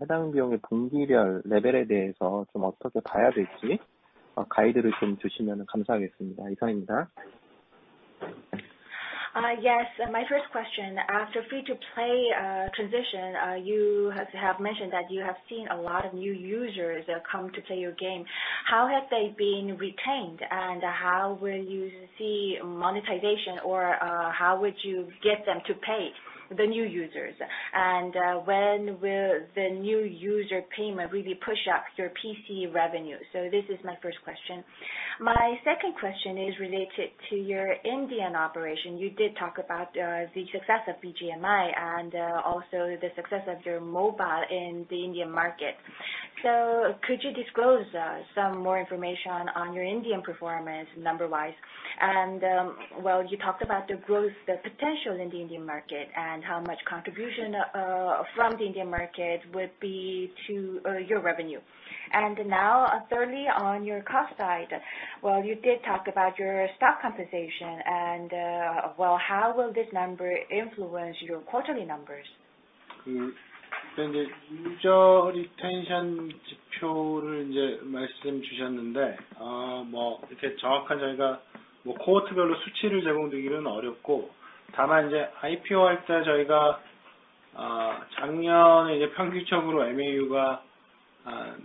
해당 비용의 분기별 레벨에 대해서 좀 어떻게 봐야 될지 가이드를 좀 주시면 감사하겠습니다. 이상입니다. Yes. My first question after free-to-play transition, you have mentioned that you have seen a lot of new users come to play your game. How have they been retained and how will you see monetization or, how would you get them to pay the new users? When will the new user payment really push up your PC revenue? This is my first question. My second question is related to your Indian operation. You did talk about the success of BGMI and also the success of your mobile in the Indian market. Could you disclose some more information on your Indian performance number wise? You talked about the growth potential in the Indian market and how much contribution from the Indian market would be to your revenue. Now thirdly, on your cost side. Well, you did talk about your stock compensation and, well, how will this number influence your quarterly numbers? 유저 리텐션 지표를 말씀 주셨는데, 저희가 코호트별로 수치를 제공드리기는 어렵고, 다만 IPO 할때 작년에 평균적으로 MAU가 한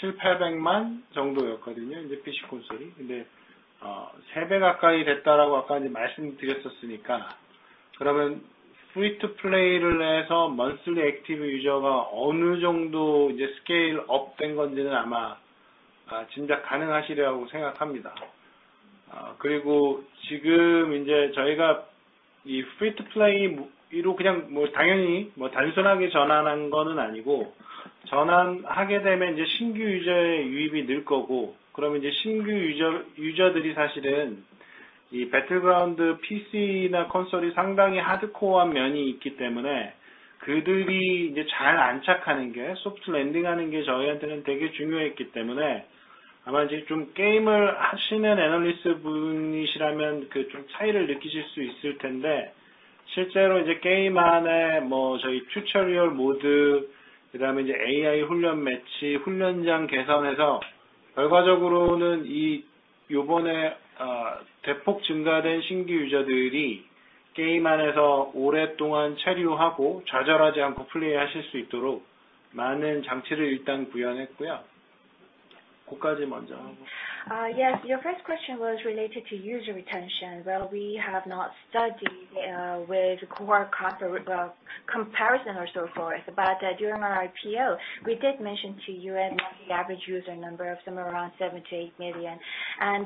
7, 800만 정도였거든요, PC 콘솔이. 세배 가까이 됐다라고 아까 말씀드렸었으니까, 그러면 free-to-play를 해서 Monthly Active User가 어느 정도 스케일 업된 건지는 짐작 가능하시리라고 생각합니다. 그리고 지금 저희가 이 free-to-play로 단순하게 전환한 거는 아니고, 전환하게 되면 신규 유저의 유입이 늘 거고, 그러면 신규 유저들이 사실은 이 배틀그라운드 PC나 콘솔이 상당히 하드코어한 면이 있기 때문에, 그들이 잘 안착하는 게, 소프트 랜딩하는 게 저희한테는 되게 중요했기 때문에, 아마 게임을 하시는 애널리스트분이시라면 그 차이를 느끼실 수 있을 텐데. 실제로 게임 안에 저희 튜토리얼 모드, 그다음에 AI 훈련 매치, 훈련장 개선해서 결과적으로는 이번에 대폭 증가된 신규 유저들이 게임 안에서 오랫동안 체류하고 좌절하지 않고 플레이하실 수 있도록 많은 장치를 일단 구현했고요. 거기까지 먼저 하고. Yes. Your first question was related to user retention. Well, we have not studied with core user comparison or so forth. During our IPO, we did mention to you monthly average user number of some around 7-8 million.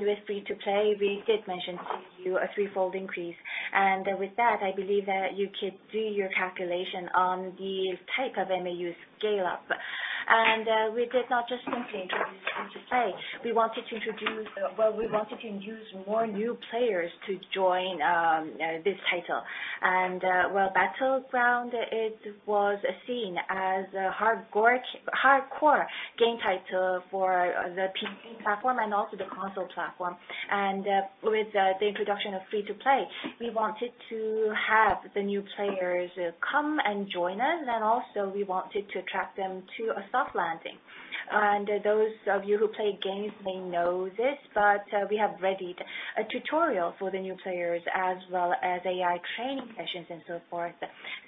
With free-to-play, we did mention to you a threefold increase. With that, I believe that you could do your calculation on the type of MAU scale up. We did not just simply introduce free-to-play. We wanted to introduce more new players to join this title. Well, BATTLEGROUNDS, it was seen as a hardcore game title for the PC platform and also the console platform. With the introduction of free-to-play, we wanted to have the new players come and join us, and also we wanted to attract them to a soft landing. Those of you who play games may know this, but we have readied a tutorial for the new players as well as AI training sessions and so forth,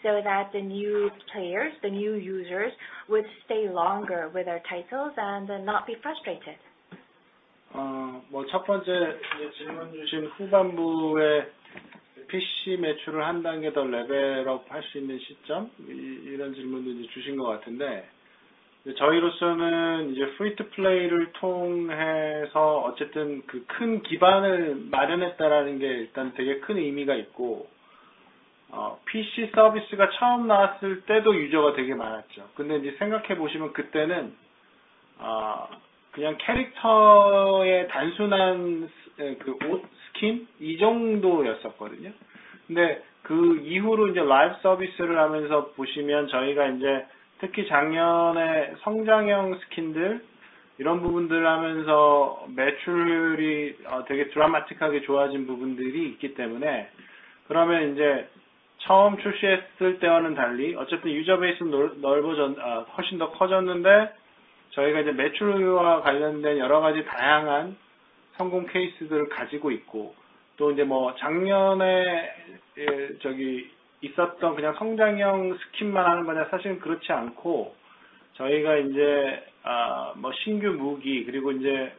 so that the new players, the new users would stay longer with our titles and not be frustrated. 첫 번째 질문 주신 후반부에 PC 매출을 한 단계 더 레벨업 할수 있는 시점, 이런 질문도 주신 것 같은데, 저희로서는 free-to-play를 통해서 어쨌든 그큰 기반을 마련했다라는 게 일단 되게 큰 의미가 있고. PC 서비스가 처음 나왔을 때도 유저가 되게 많았죠. 근데 생각해 보시면 그때는 그냥 캐릭터의 단순한 옷 스킨 이 정도였었거든요. 근데 그 이후로 라이브 서비스를 하면서 보시면 저희가 특히 작년에 성장형 스킨들 이런 부분들을 하면서 매출이 되게 드라마틱하게 좋아진 부분들이 있기 때문에, 처음 출시했을 때와는 달리 어쨌든 유저 베이스가 훨씬 더 커졌는데, 저희가 매출과 관련된 여러 가지 다양한 성공 케이스들을 가지고 있고, 또 작년에 있었던 그냥 성장형 스킨만 하는 거냐? 사실은 그렇지 않고, 저희가 이제 신규 무기, 그리고 이제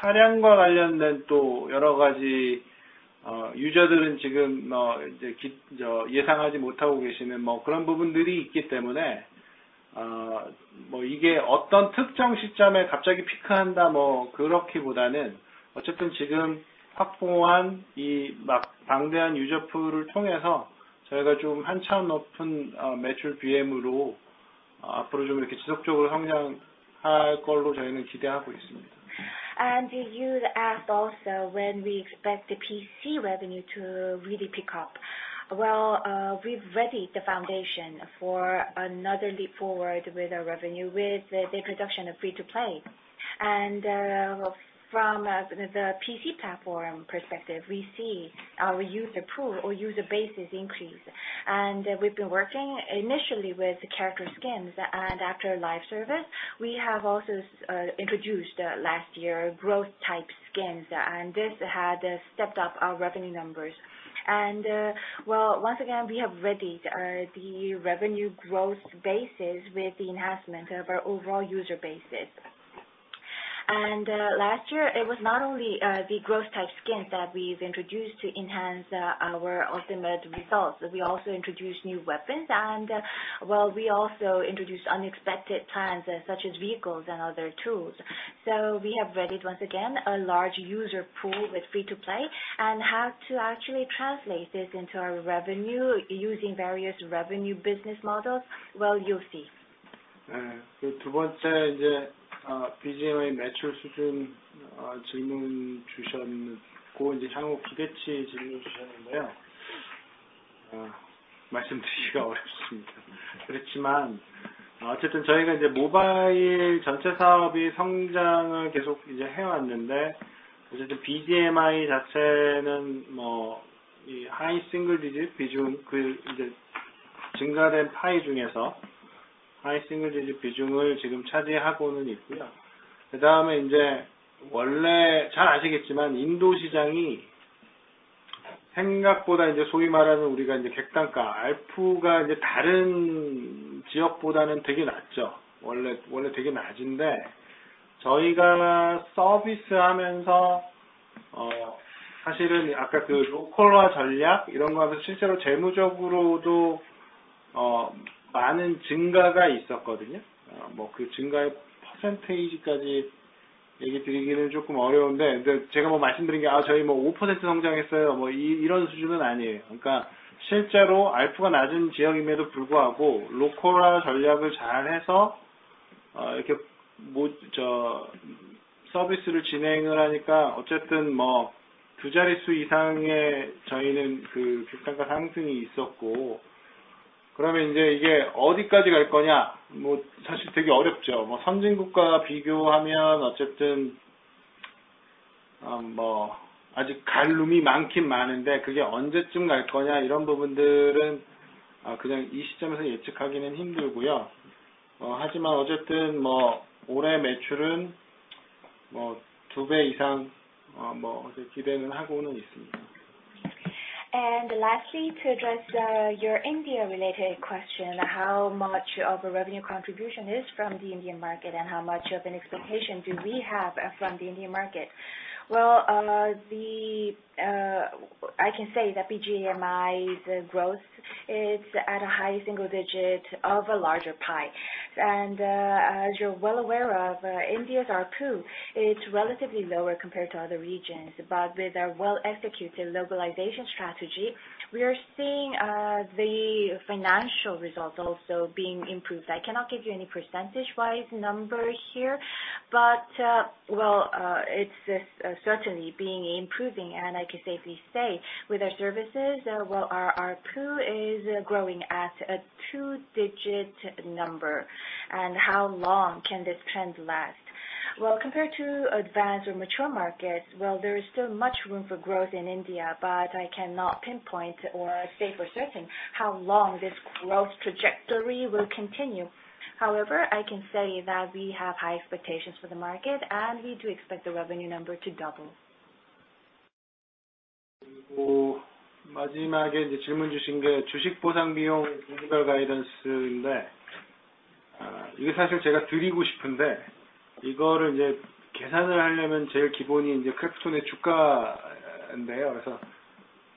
차량과 관련된 또 여러 가지 유저들은 지금 예상하지 못하고 계시는 부분들이 있기 때문에, 이게 어떤 특정 시점에 갑자기 피크한다 그렇기보다는, 어쨌든 지금 확보한 이 방대한 유저풀을 통해서 저희가 좀한 차원 높은 매출 BM으로 앞으로 좀 이렇게 지속적으로 성장할 걸로 저희는 기대하고 있습니다. You asked also when we expect the PC revenue to really pick up. Well, we've readied the foundation for another leap forward with our revenue with the production of free-to-play. From the PC platform perspective, we see our user pool or user bases increase. We've been working initially with character skins. After live service, we have also introduced last year growth type skins, and this had stepped up our revenue numbers. Well, once again, we have readied the revenue growth bases with the enhancement of our overall user bases. Last year it was not only the growth type skins that we've introduced to enhance our ultimate results. We also introduced new weapons and, well, we also introduced unexpected plans such as vehicles and other tools. We have readied once again a large user pool with free to play and how to actually translate this into our revenue using various revenue business models. Well, you'll see. 두 번째로 BGMI 매출 수준 질문 주셨고, 향후 기대치 질문 주셨는데요. 말씀드리기가 어렵습니다. 그렇지만 어쨌든 저희가 모바일 전체 사업이 성장을 계속 해왔는데, 어쨌든 BGMI 자체는 하이 싱글 디짓 비중, 증가된 파이 중에서 하이 싱글 디짓 비중을 지금 차지하고는 있고요. 그다음에 원래 잘 아시겠지만 인도 시장이 생각보다 소위 말하는 객단가, ARPU가 다른 지역보다는 되게 낮죠. 원래 되게 낮은데, 저희가 서비스하면서 사실은 아까 그 로컬화 전략 이런 거 하면서 실제로 재무적으로도 많은 증가가 있었거든요. 그 증가의 퍼센테이지까지 얘기드리기는 조금 어려운데, 제가 말씀드린 게 "저희 뭐 5% 성장했어요." 이런 수준은 아니에요. 그러니까 실제로 ARPU가 낮은 지역임에도 불구하고 로컬화 전략을 잘 해서 서비스를 진행을 하니까, 어쨌든 두 자릿수 이상의 저희는 그 객단가 상승이 있었고, 그러면 이게 어디까지 갈 거냐? 사실 되게 어렵죠. 선진국과 비교하면 아직 갈 룸이 많긴 많은데, 그게 언제쯤 갈 거냐 하는 부분들은 이 시점에서 예측하기는 힘들고요. 하지만 어쨌든 올해 매출은 두배 이상 기대는 하고 있습니다. To address your India-related question, how much of a revenue contribution is from the Indian market, and how much of an expectation do we have from the Indian market? Well, I can say that BGMI's growth is at a high single digit of a larger pie. As you're well aware of, India's ARPU, it's relatively lower compared to other regions. But with our well executed localization strategy, we are seeing the financial results also being improved. I cannot give you any percentage-wise number here, but well, it's certainly being improving. I can safely say with our services, well, our ARPU is growing at a two-digit number. How long can this trend last? Well, compared to advanced or mature markets, well, there is still much room for growth in India, but I cannot pinpoint or say for certain how long this growth trajectory will continue. However, I can say that we have high expectations for the market, and we do expect the revenue number to double. 마지막에 질문 주신 게 주식 보상 비용 분기별 가이던스인데, 이게 사실 제가 드리고 싶은데 이거를 계산을 하려면 제일 기본이 크래프톤의 주가인데요.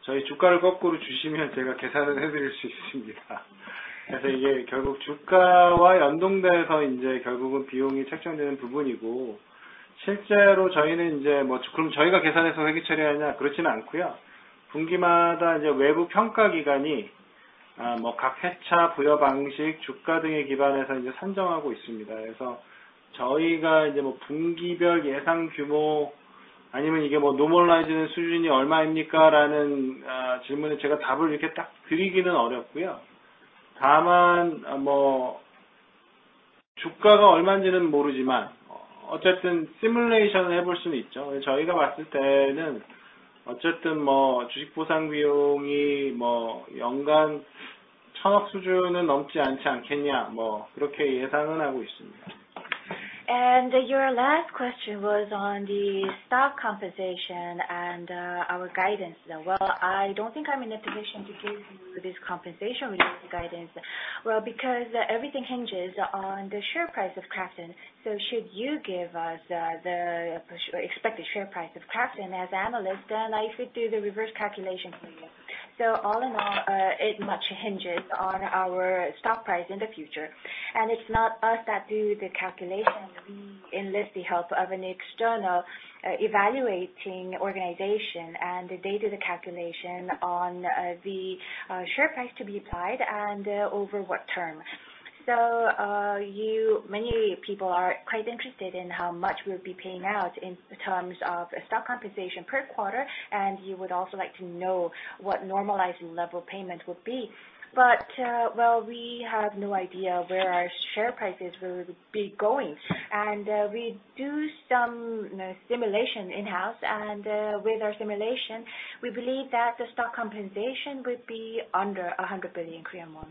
저희 주가를 거꾸로 주시면 제가 계산을 해드릴 수 있습니다. 이게 결국 주가와 연동돼서 결국은 비용이 책정되는 부분이고, 실제로 저희는 저희가 계산해서 회계처리 하느냐, 그렇지는 않고요. 분기마다 외부 평가기관이 각 해차 부여 방식, 주가 등에 기반해서 산정하고 있습니다. 저희가 분기별 예상 규모 아니면 이게 노멀라이즈 수준이 얼마입니까라는 질문에 제가 답을 이렇게 딱 드리기는 어렵고요. 다만 주가가 얼마인지는 모르지만 어쨌든 시뮬레이션을 해볼 수는 있죠. 저희가 봤을 때는 어쨌든 주식 보상 비용이 연간 천억 수준은 넘지 않지 않겠냐, 그렇게 예상은 하고 있습니다. Your last question was on the stock compensation and, our guidance. Well, I don't think I'm in a position to give you this compensation related guidance. Well, because everything hinges on the share price of KRAFTON. Should you give us the expected share price of KRAFTON as analyst, then I could do the reverse calculation for you. All in all, it all hinges on our stock price in the future. It's not us that do the calculation. We enlist the help of an external evaluating organization, and they do the calculation on the share price to be applied and over what term. Many people are quite interested in how much we would be paying out in terms of stock compensation per quarter, and you would also like to know what normalizing level payment would be. We have no idea where our share prices will be going, and we do some simulation in-house. With our simulation, we believe that the stock compensation would be under 100 billion Korean won.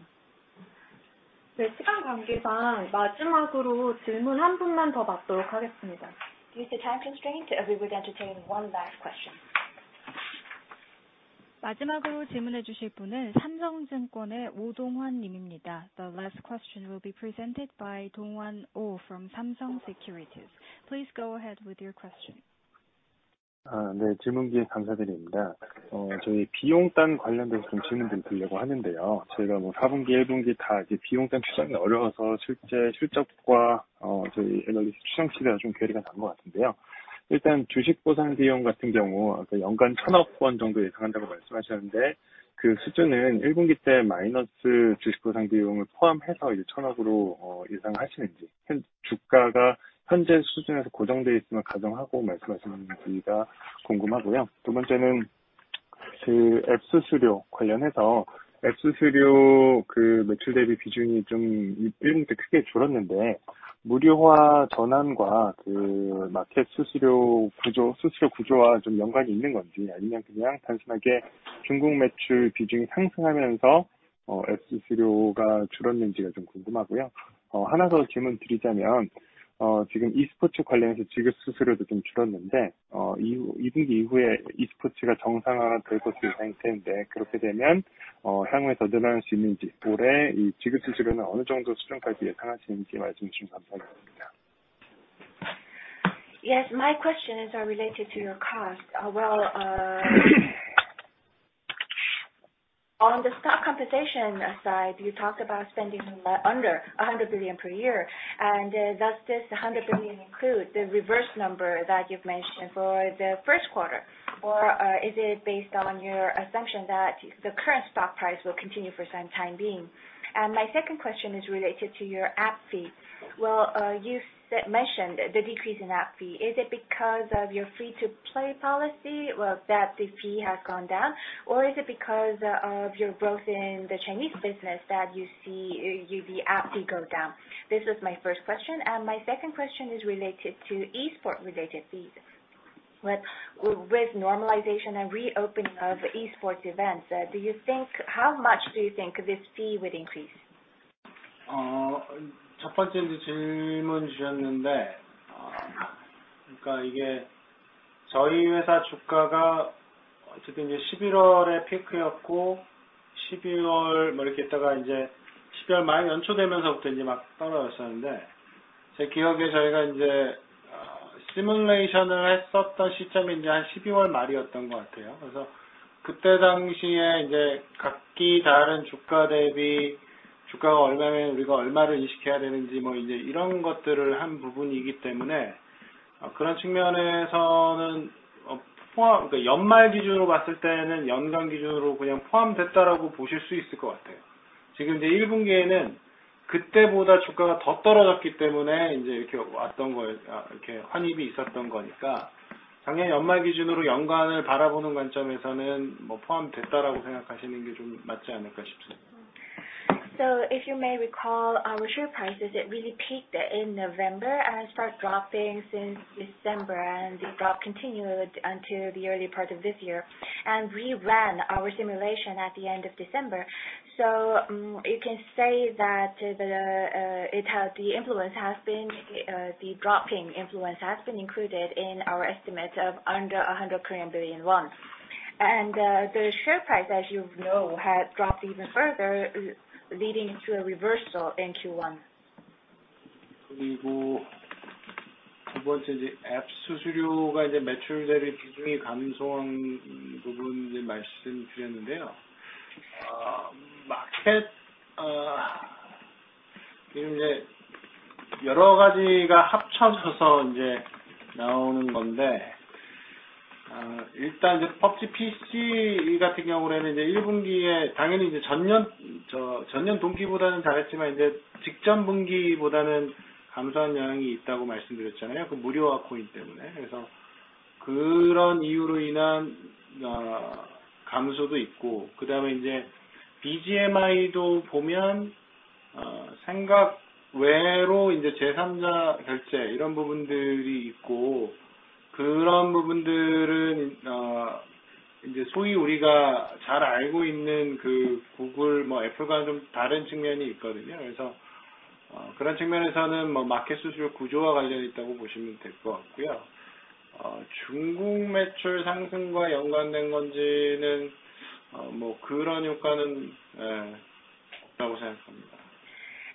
Due to time constraint, we would entertain one last question. The last question will be presented by Donghwan Oh from Samsung Securities. Please go ahead with your question. Uh, Yes. My questions are related to your cost. Well, on the stock compensation side, you talked about spending under 100 billion per year. Does this 100 billion include the reverse number that you've mentioned for the first quarter? Or, is it based on your assumption that the current stock price will continue for some time being? My second question is related to your app fee. Well, you mentioned the decrease in app fee. Is it because of your free-to-play policy, well, that the fee has gone down, or is it because of your growth in the Chinese business that you see the app fee go down? This is my first question, and my second question is related to e-sports-related fees. With normalization and reopening of e-sports events, do you think how much do you think this fee would increase? Uh,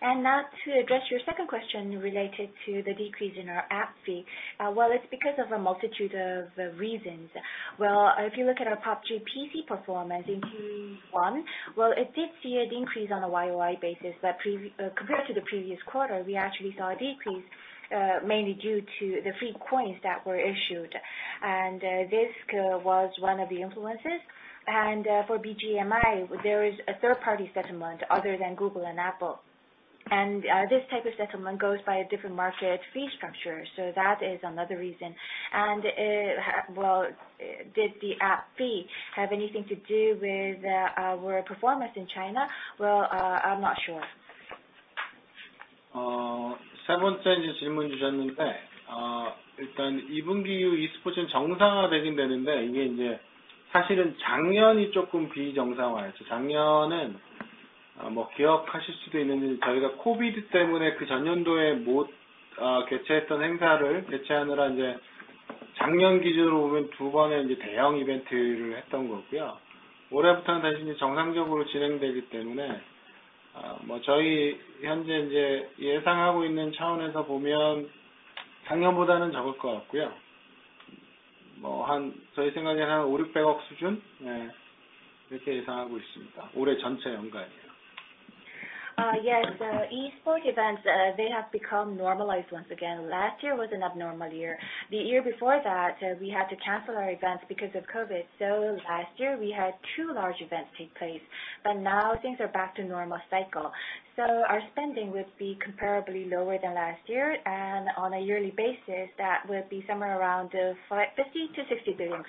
Now to address your second question related to the decrease in our app fee. Well, it's because of a multitude of reasons. Well, if you look at our PUBG PC performance in Q1, well, it did see a decrease on a YOY basis, but compared to the previous quarter, we actually saw a decrease, mainly due to the free coins that were issued. This was one of the influences. For BGMI, there is a third party settlement other than Google and Apple. This type of settlement goes by a different market fee structure. That is another reason. Well, did the app fee have anything to do with our performance in China? Well, I'm not sure. Esports events, they have become normalized once again. Last year was an abnormal year. The year before that, we had to cancel our events because of COVID. Last year we had two large events take place, but now things are back to normal cycle, so our spending would be comparably lower than last year. On a yearly basis that would be somewhere around 50 billion-60 billion.